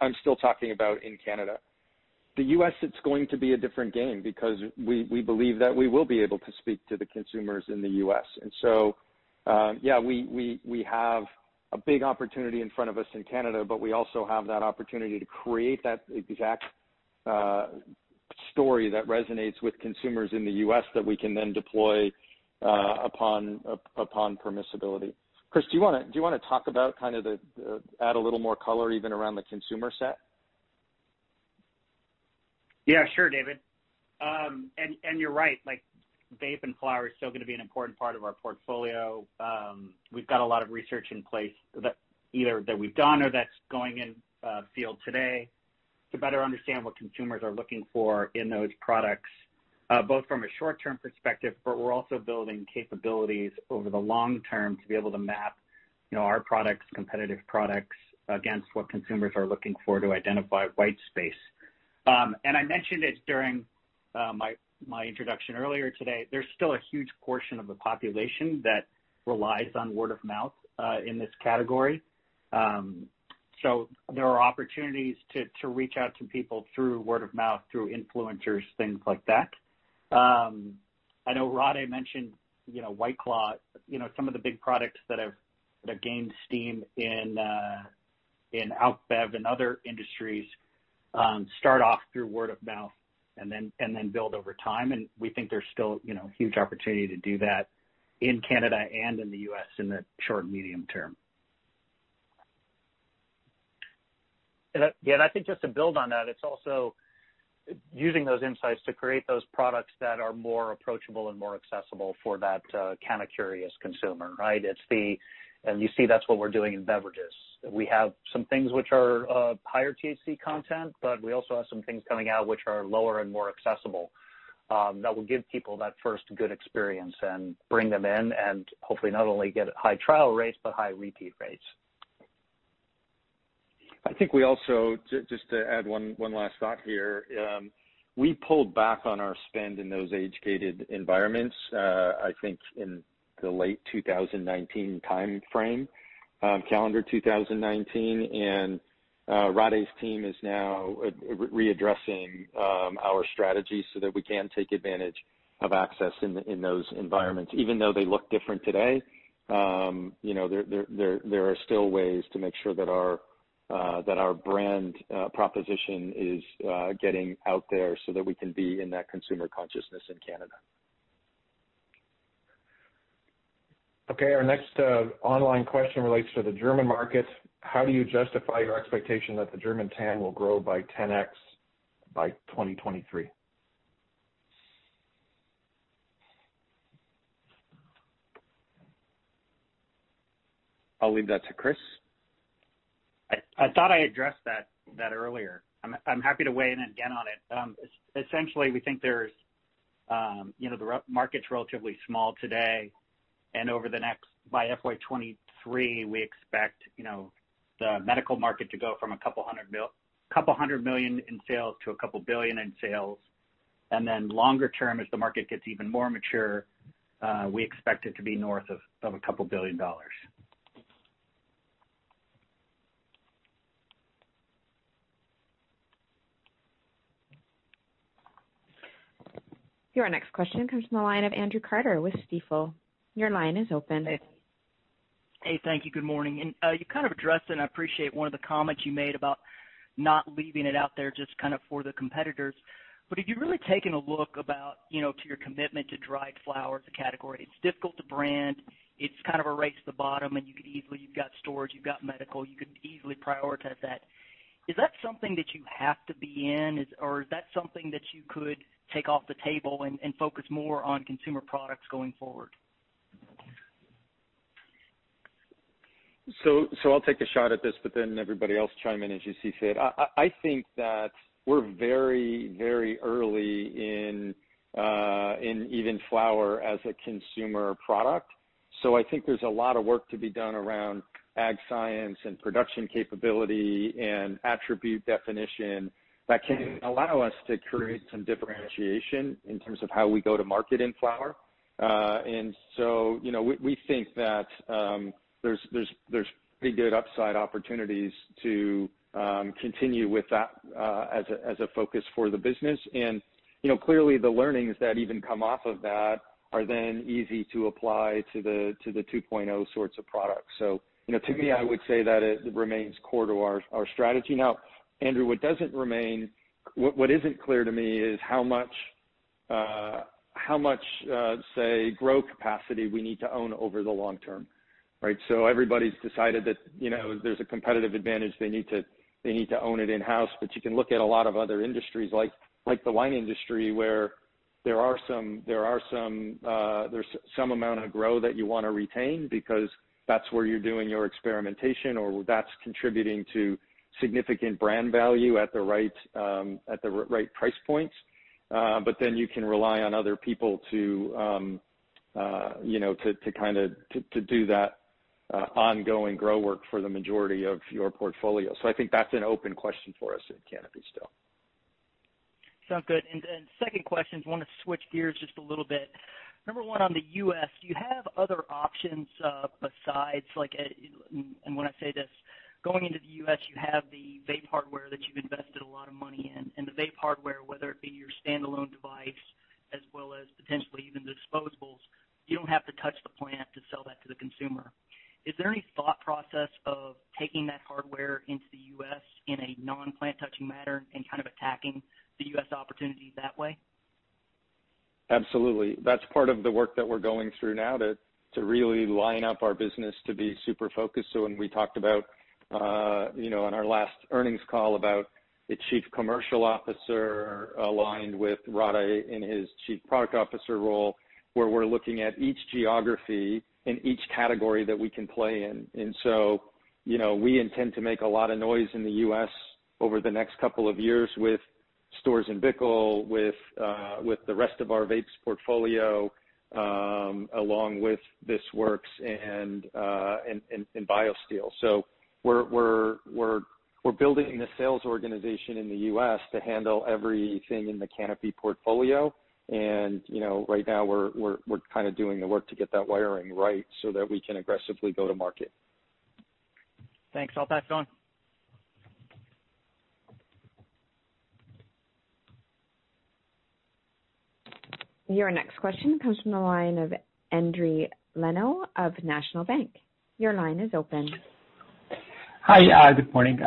I'm still talking about in Canada. The U.S., it's going to be a different game because we believe that we will be able to speak to the consumers in the U.S. Yeah, we have a big opportunity in front of us in Canada, but we also have that opportunity to create that exact story that resonates with consumers in the U.S. that we can then deploy upon permissibility. Chris, do you want to talk about, kind of add a little more color even around the consumer set? Yeah, sure, David. You're right. Vape and flower is still going to be an important part of our portfolio. We've got a lot of research in place, either that we've done or that's going in field today, to better understand what consumers are looking for in those products, both from a short-term perspective, but we're also building capabilities over the long term to be able to map our products, competitive products, against what consumers are looking for to identify white space. I mentioned it during my introduction earlier today, there's still a huge portion of the population that relies on word of mouth in this category. There are opportunities to reach out to people through word of mouth, through influencers, things like that. I know Rade mentioned White Claw. Some of the big products that have gained steam in alc bev and other industries, start off through word of mouth, and then build over time. We think there's still a huge opportunity to do that in Canada and in the U.S. in the short and medium term. I think just to build on that, it's also using those insights to create those products that are more approachable and more accessible for that cannabis-curious consumer, right? You see that's what we're doing in beverages. We have some things which are higher THC content, but we also have some things coming out which are lower and more accessible, that will give people that first good experience and bring them in, and hopefully not only get high trial rates, but high repeat rates. I think we also, just to add one last thought here, we pulled back on our spend in those aged gated environments, I think in the late 2019 timeframe, calendar 2019. Rade's team is now readdressing our strategy so that we can take advantage of access in those environments. Even though they look different today, there are still ways to make sure that our brand proposition is getting out there so that we can be in that consumer consciousness in Canada. Okay, our next online question relates to the German market. How do you justify your expectation that the German TAM will grow by 10x by 2023? I'll leave that to Chris. I thought I addressed that earlier. I'm happy to weigh in again on it. Essentially, we think the market's relatively small today, and by FY 2023, we expect the medical market to go from a couple hundred million in sales to a couple billion in sales. Then longer term, as the market gets even more mature, we expect it to be north of a couple billion. Your next question comes from the line of Andrew Carter with Stifel. Your line is open. Hey. Thank you. Good morning. You kind of addressed, and I appreciate one of the comments you made about not leaving it out there just for the competitors. Have you really taken a look about to your commitment to dried flower as a category? It's difficult to brand. It's kind of a race to the bottom, and you've got storage, you've got medical, you could easily prioritize that. Is that something that you have to be in, or is that something that you could take off the table and focus more on consumer products going forward? I'll take a shot at this, everybody else chime in as you see fit. I think that we're very early in even flower as a consumer product. I think there's a lot of work to be done around ag science and production capability and attribute definition that can allow us to create some differentiation in terms of how we go to market in flower. We think that there's pretty good upside opportunities to continue with that as a focus for the business. Clearly the learnings that even come off of that are then easy to apply to the 2.0 sorts of products. To me, I would say that it remains core to our strategy. Andrew, what isn't clear to me is how much, say, grow capacity we need to own over the long term. Right? Everybody's decided that there's a competitive advantage, they need to own it in-house. You can look at a lot of other industries like the wine industry, where there's some amount of grow that you want to retain because that's where you're doing your experimentation, or that's contributing to significant brand value at the right price points. Then you can rely on other people to do that ongoing grow work for the majority of your portfolio. I think that's an open question for us at Canopy still. Sounds good. Second question is I want to switch gears just a little bit. Number one, on the U.S., do you have other options besides like and when I say this, going into the U.S., you have the vape hardware that you've invested a lot of money in, and the vape hardware, whether it be your standalone device as well as potentially even the disposables, you don't have to touch the plant to sell that to the consumer. Is there any thought process of taking that hardware into the U.S. in a non-plant touching manner and kind of attacking the U.S. opportunity that way? Absolutely. That's part of the work that we're going through now to really line up our business to be super focused. When we talked about, on our last earnings call, about the Chief Commercial Officer aligned with Rade in his Chief Product Officer role, where we're looking at each geography and each category that we can play in. We intend to make a lot of noise in the U.S. over the next couple of years with Storz & Bickel, with the rest of our vapes portfolio, along with This Works and BioSteel. We're building the sales organization in the U.S. to handle everything in the Canopy portfolio, and right now we're kind of doing the work to get that wiring right so that we can aggressively go to market. Thanks. I'll pass it on. Your next question comes from the line of Endri Leno of National Bank. Your line is open. Hi. Good morning.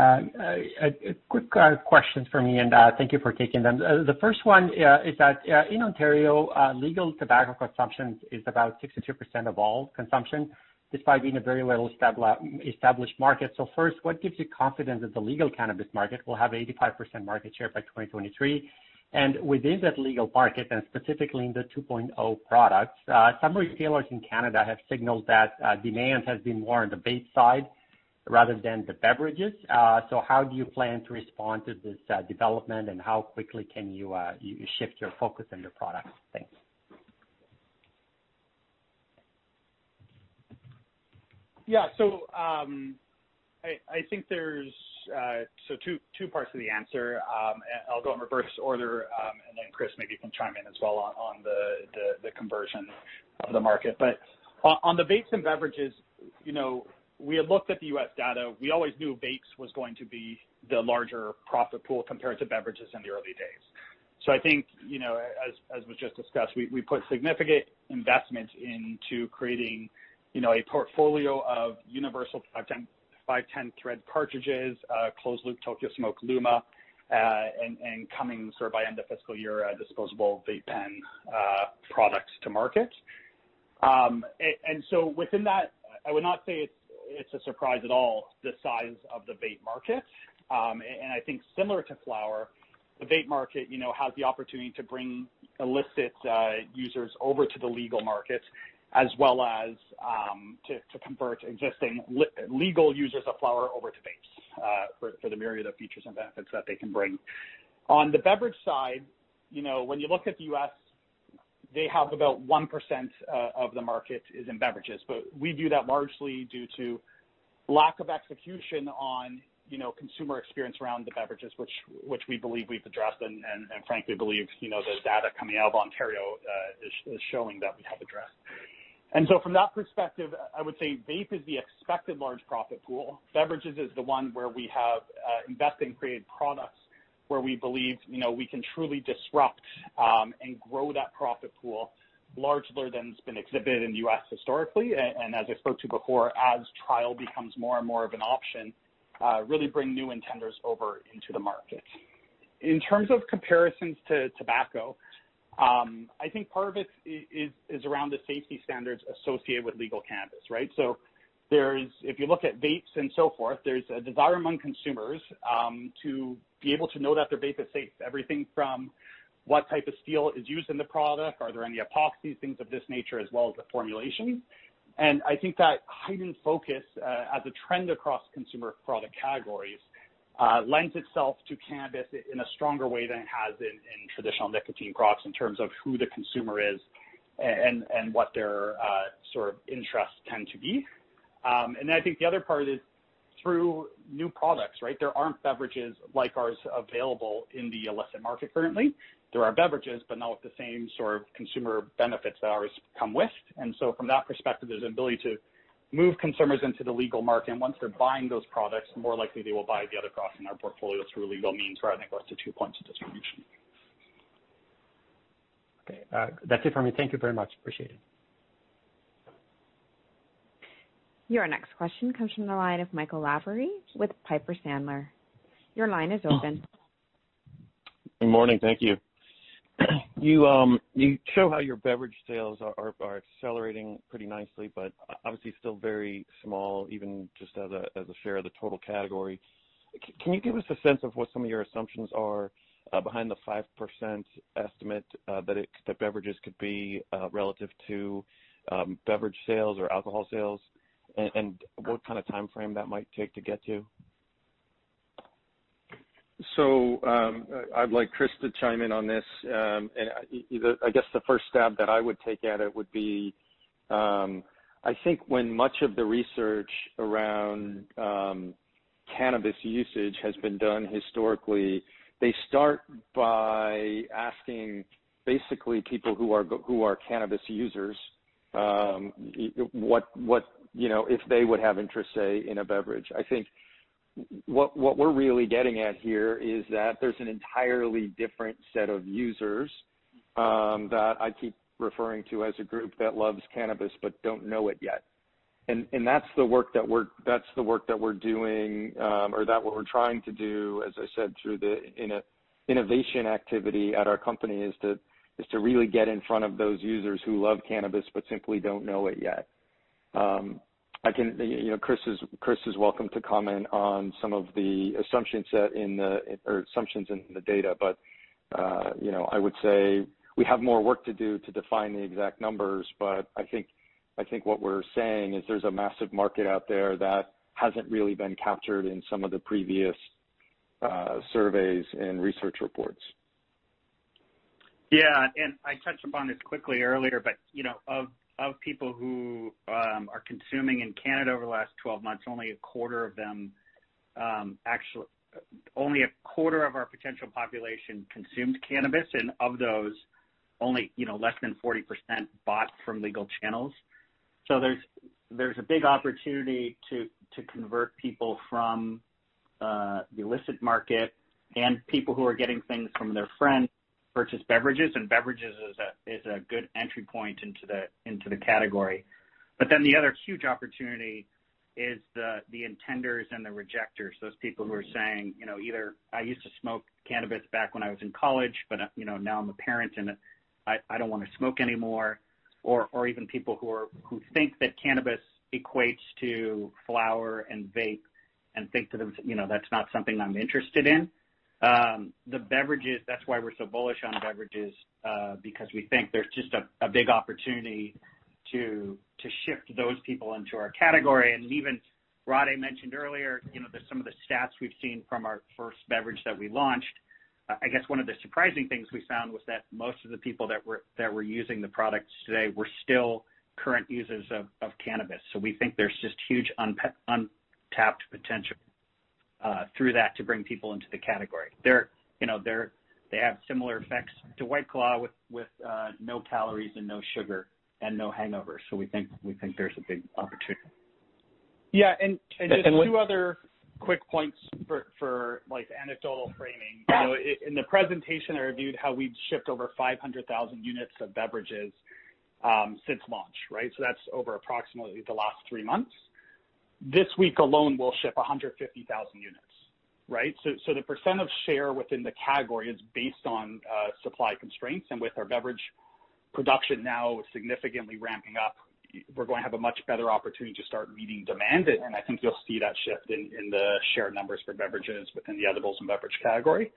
Quick questions from me, and thank you for taking them. The first one is that, in Ontario, legal tobacco consumption is about 62% of all consumption, despite being a very little established market. First, what gives you confidence that the legal cannabis market will have 85% market share by 2023? Within that legal market, and specifically in the 2.0 products, some retailers in Canada have signaled that demand has been more on the vape side rather than the beverages. How do you plan to respond to this development, and how quickly can you shift your focus and your products? Thanks. Yeah. I think there's two parts to the answer. I'll go in reverse order, Chris, maybe you can chime in as well on the conversion of the market. On the vapes and beverages, we had looked at the U.S. data. We always knew vapes was going to be the larger profit pool compared to beverages in the early days. I think, as was just discussed, we put significant investment into creating a portfolio of universal 510-thread cartridges, closed loop Tokyo Smoke Luma, and coming sort of by end of fiscal year, a disposable vape pen product to market. Within that, I would not say it's a surprise at all the size of the vape market. I think similar to flower, the vape market has the opportunity to bring illicit users over to the legal markets as well as to convert existing legal users of flower over to vapes, for the myriad of features and benefits that they can bring. On the beverage side, when you look at the U.S., they have about 1% of the market is in beverages. We view that largely due to lack of execution on consumer experience around the beverages, which we believe we've addressed, and frankly believe the data coming out of Ontario is showing that we have addressed. From that perspective, I would say vape is the expected large profit pool. Beverages is the one where we have invested and created products where we believe we can truly disrupt, and grow that profit pool larger than it's been exhibited in the U.S. historically. As I spoke to before, as trial becomes more and more of an option, really bring new intenders over into the market. In terms of comparisons to tobacco, I think part of it is around the safety standards associated with legal cannabis, right? If you look at vapes and so forth, there's a desire among consumers to be able to know that their vape is safe. Everything from what type of steel is used in the product, are there any epoxies, things of this nature, as well as the formulation. I think that heightened focus, as a trend across consumer product categories, lends itself to cannabis in a stronger way than it has in traditional nicotine products in terms of who the consumer is and what their sort of interests tend to be. I think the other part is through new products, right? There aren't beverages like ours available in the illicit market currently. There are beverages, but not with the same sort of consumer benefits that ours come with. From that perspective, there's an ability to move consumers into the legal market. Once they're buying those products, the more likely they will buy the other products in our portfolio through legal means, rather than go to two points of distribution. Okay. That's it for me. Thank you very much. Appreciate it. Your next question comes from the line of Michael Lavery with Piper Sandler. Your line is open. Good morning. Thank you. You show how your beverage sales are accelerating pretty nicely. Obviously still very small, even just as a share of the total category. Can you give us a sense of what some of your assumptions are behind the 5% estimate that beverages could be relative to beverage sales or alcohol sales, and what kind of timeframe that might take to get to? I'd like Chris to chime in on this. I guess the first stab that I would take at it would be. I think when much of the research around cannabis usage has been done historically, they start by asking basically people who are cannabis users, if they would have interest, say, in a beverage. I think what we're really getting at here is that there's an entirely different set of users that I keep referring to as a group that loves cannabis but don't know it yet. That's the work that we're doing, or that what we're trying to do, as I said, through the innovation activity at our company, is to really get in front of those users who love cannabis but simply don't know it yet. Chris is welcome to comment on some of the assumptions in the data. I would say we have more work to do to define the exact numbers, but I think what we're saying is there's a massive market out there that hasn't really been captured in some of the previous surveys and research reports. Yeah. I touched upon this quickly earlier, but of people who are consuming in Canada over the last 12 months, only 1/4 of our potential population consumed cannabis, and of those only less than 40% bought from legal channels. There's a big opportunity to convert people from the illicit market and people who are getting things from their friends to purchase beverages, and beverages is a good entry point into the category. The other huge opportunity is the intenders and the rejecters. Those people who are saying either, I used to smoke cannabis back when I was in college, but now I'm a parent and I don't want to smoke anymore. Or even people who think that cannabis equates to flower and vape and think that that's not something I'm interested in. The beverages, that's why we're so bullish on beverages, because we think there's just a big opportunity to shift those people into our category. Even Rade mentioned earlier, some of the stats we've seen from our first beverage that we launched. I guess one of the surprising things we found was that most of the people that were using the products today were still current users of cannabis. We think there's just huge untapped potential through that to bring people into the category. They have similar effects to White Claw, with no calories and no sugar and no hangovers. We think there's a big opportunity. Yeah. Just two other quick points for anecdotal framing. In the presentation, I reviewed how we've shipped over 500,000 units of beverages since launch. That's over approximately the last three months. This week alone, we'll ship 150,000 units. The percent of share within the category is based on supply constraints, and with our beverage production now significantly ramping up, we're going to have a much better opportunity to start meeting demand. I think you'll see that shift in the share numbers for beverages within the edibles and beverage category.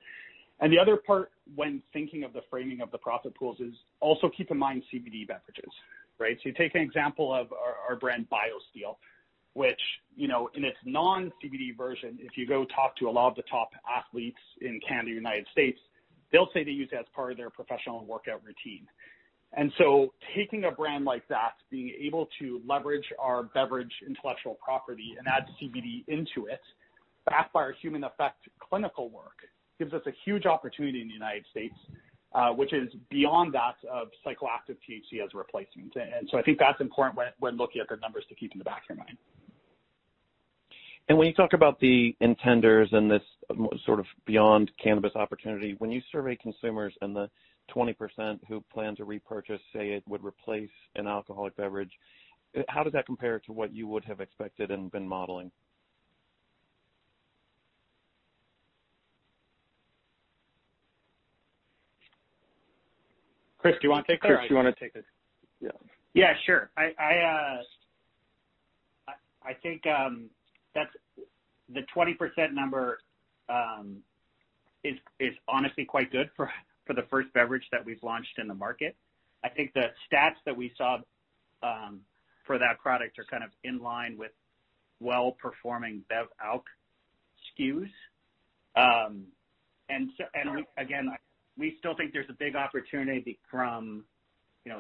The other part when thinking of the framing of the profit pools is also keep in mind CBD beverages. You take an example of our brand BioSteel, which, in its non-CBD version, if you go talk to a lot of the top athletes in Canada or United States, they'll say they use it as part of their professional workout routine. Taking a brand like that, being able to leverage our beverage intellectual property and add CBD into it, backed by our human effect clinical work, gives us a huge opportunity in the United States, which is beyond that of psychoactive THC as a replacement. I think that's important when looking at the numbers to keep in the back of your mind. When you talk about the intenders and this sort of beyond cannabis opportunity, when you survey consumers and the 20% who plan to repurchase say it would replace an alcoholic beverage, how does that compare to what you would have expected and been modeling? Chris, do you want to take that? Chris, do you want to take this? Yeah, sure. I think the 20% number is honestly quite good for the first beverage that we've launched in the market. I think the stats that we saw for that product are kind of in line with well-performing bev alc SKUs. Again, we still think there's a big opportunity from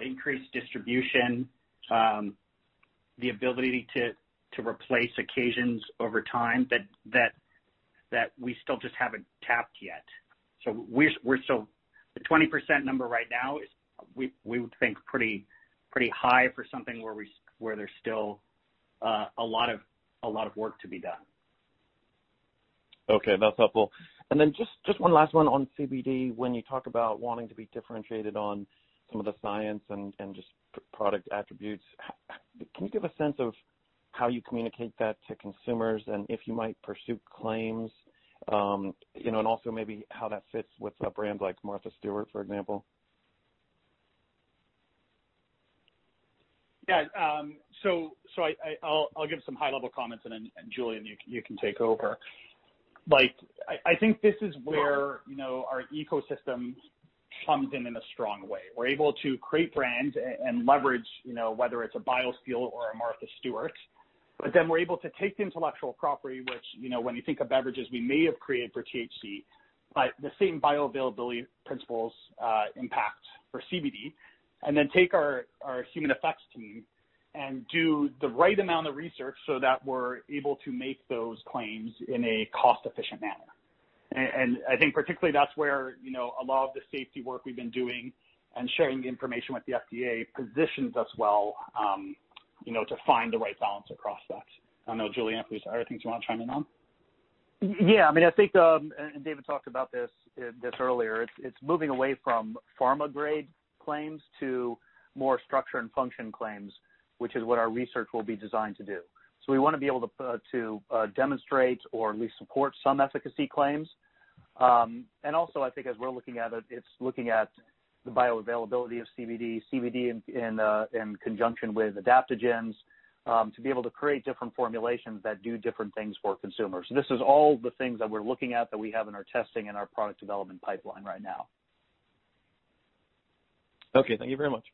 increased distribution, the ability to replace occasions over time that we still just haven't tapped yet. The 20% number right now is, we would think, pretty high for something where there's still a lot of work to be done. Okay. That's helpful. Then just one last one on CBD. When you talk about wanting to be differentiated on some of the science and just product attributes, can you give a sense of how you communicate that to consumers and if you might pursue claims? Also maybe how that fits with a brand like Martha Stewart, for example. Yeah. I'll give some high-level comments, and then Julian, you can take over. I think this is where our ecosystem comes in in a strong way. We're able to create brands and leverage, whether it's a BioSteel or a Martha Stewart. Then we're able to take the intellectual property, which, when you think of beverages we may have created for THC, but the same bioavailability principles impact for CBD, and then take our human effects team and do the right amount of research so that we're able to make those claims in a cost-efficient manner. I think particularly that's where a lot of the safety work we've been doing and sharing the information with the FDA positions us well to find the right balance across that. I know Julian, are there things you want to chime in on? Yeah. I think David talked about this earlier, it's moving away from pharma-grade claims to more structure and function claims, which is what our research will be designed to do. We want to be able to demonstrate or at least support some efficacy claims. Also, I think as we're looking at it's looking at the bioavailability of CBD in conjunction with adaptogens, to be able to create different formulations that do different things for consumers. This is all the things that we're looking at that we have in our testing and our product development pipeline right now. Okay. Thank you very much.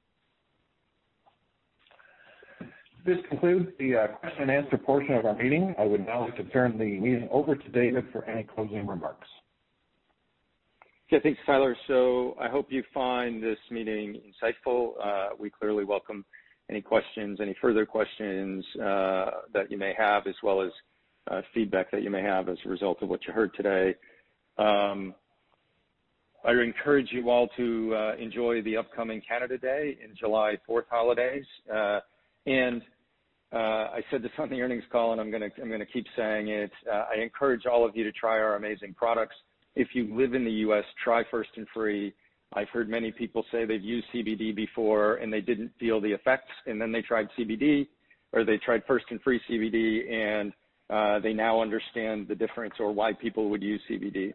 This concludes the question and answer portion of our meeting. I would now like to turn the meeting over to David for any closing remarks. Okay. Thanks, Tyler. I hope you find this meeting insightful. We clearly welcome any questions, any further questions that you may have as well as feedback that you may have as a result of what you heard today. I encourage you all to enjoy the upcoming Canada Day and July 4th holidays. I said this on the earnings call, and I'm going to keep saying it, I encourage all of you to try our amazing products. If you live in the U.S., try First & Free. I've heard many people say they've used CBD before and they didn't feel the effects, and then they tried CBD, or they tried First & Free CBD, and they now understand the difference or why people would use CBD.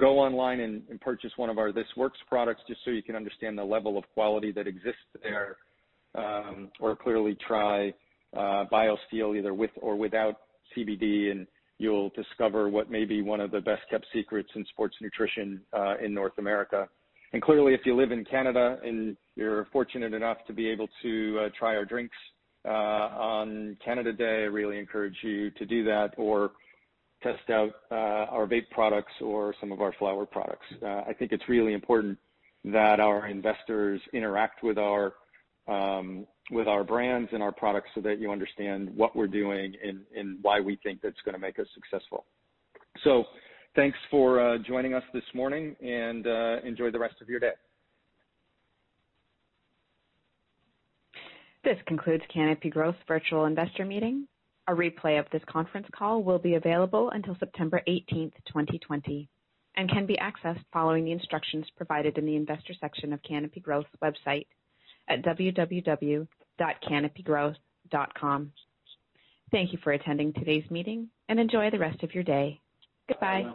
Go online and purchase one of our This Works products just so you can understand the level of quality that exists there. Clearly try BioSteel either with or without CBD, and you'll discover what may be one of the best-kept secrets in sports nutrition in North America. Clearly, if you live in Canada and you're fortunate enough to be able to try our drinks on Canada Day, I really encourage you to do that, or test out our vape products or some of our flower products. I think it's really important that our investors interact with our brands and our products so that you understand what we're doing and why we think that's going to make us successful. Thanks for joining us this morning and enjoy the rest of your day. This concludes Canopy Growth's Virtual Investor Meeting. A replay of this conference call will be available until September 18th, 2020 and can be accessed following the instructions provided in the investor section of Canopy Growth's website at www.canopygrowth.com. Thank you for attending today's meeting and enjoy the rest of your day. Goodbye.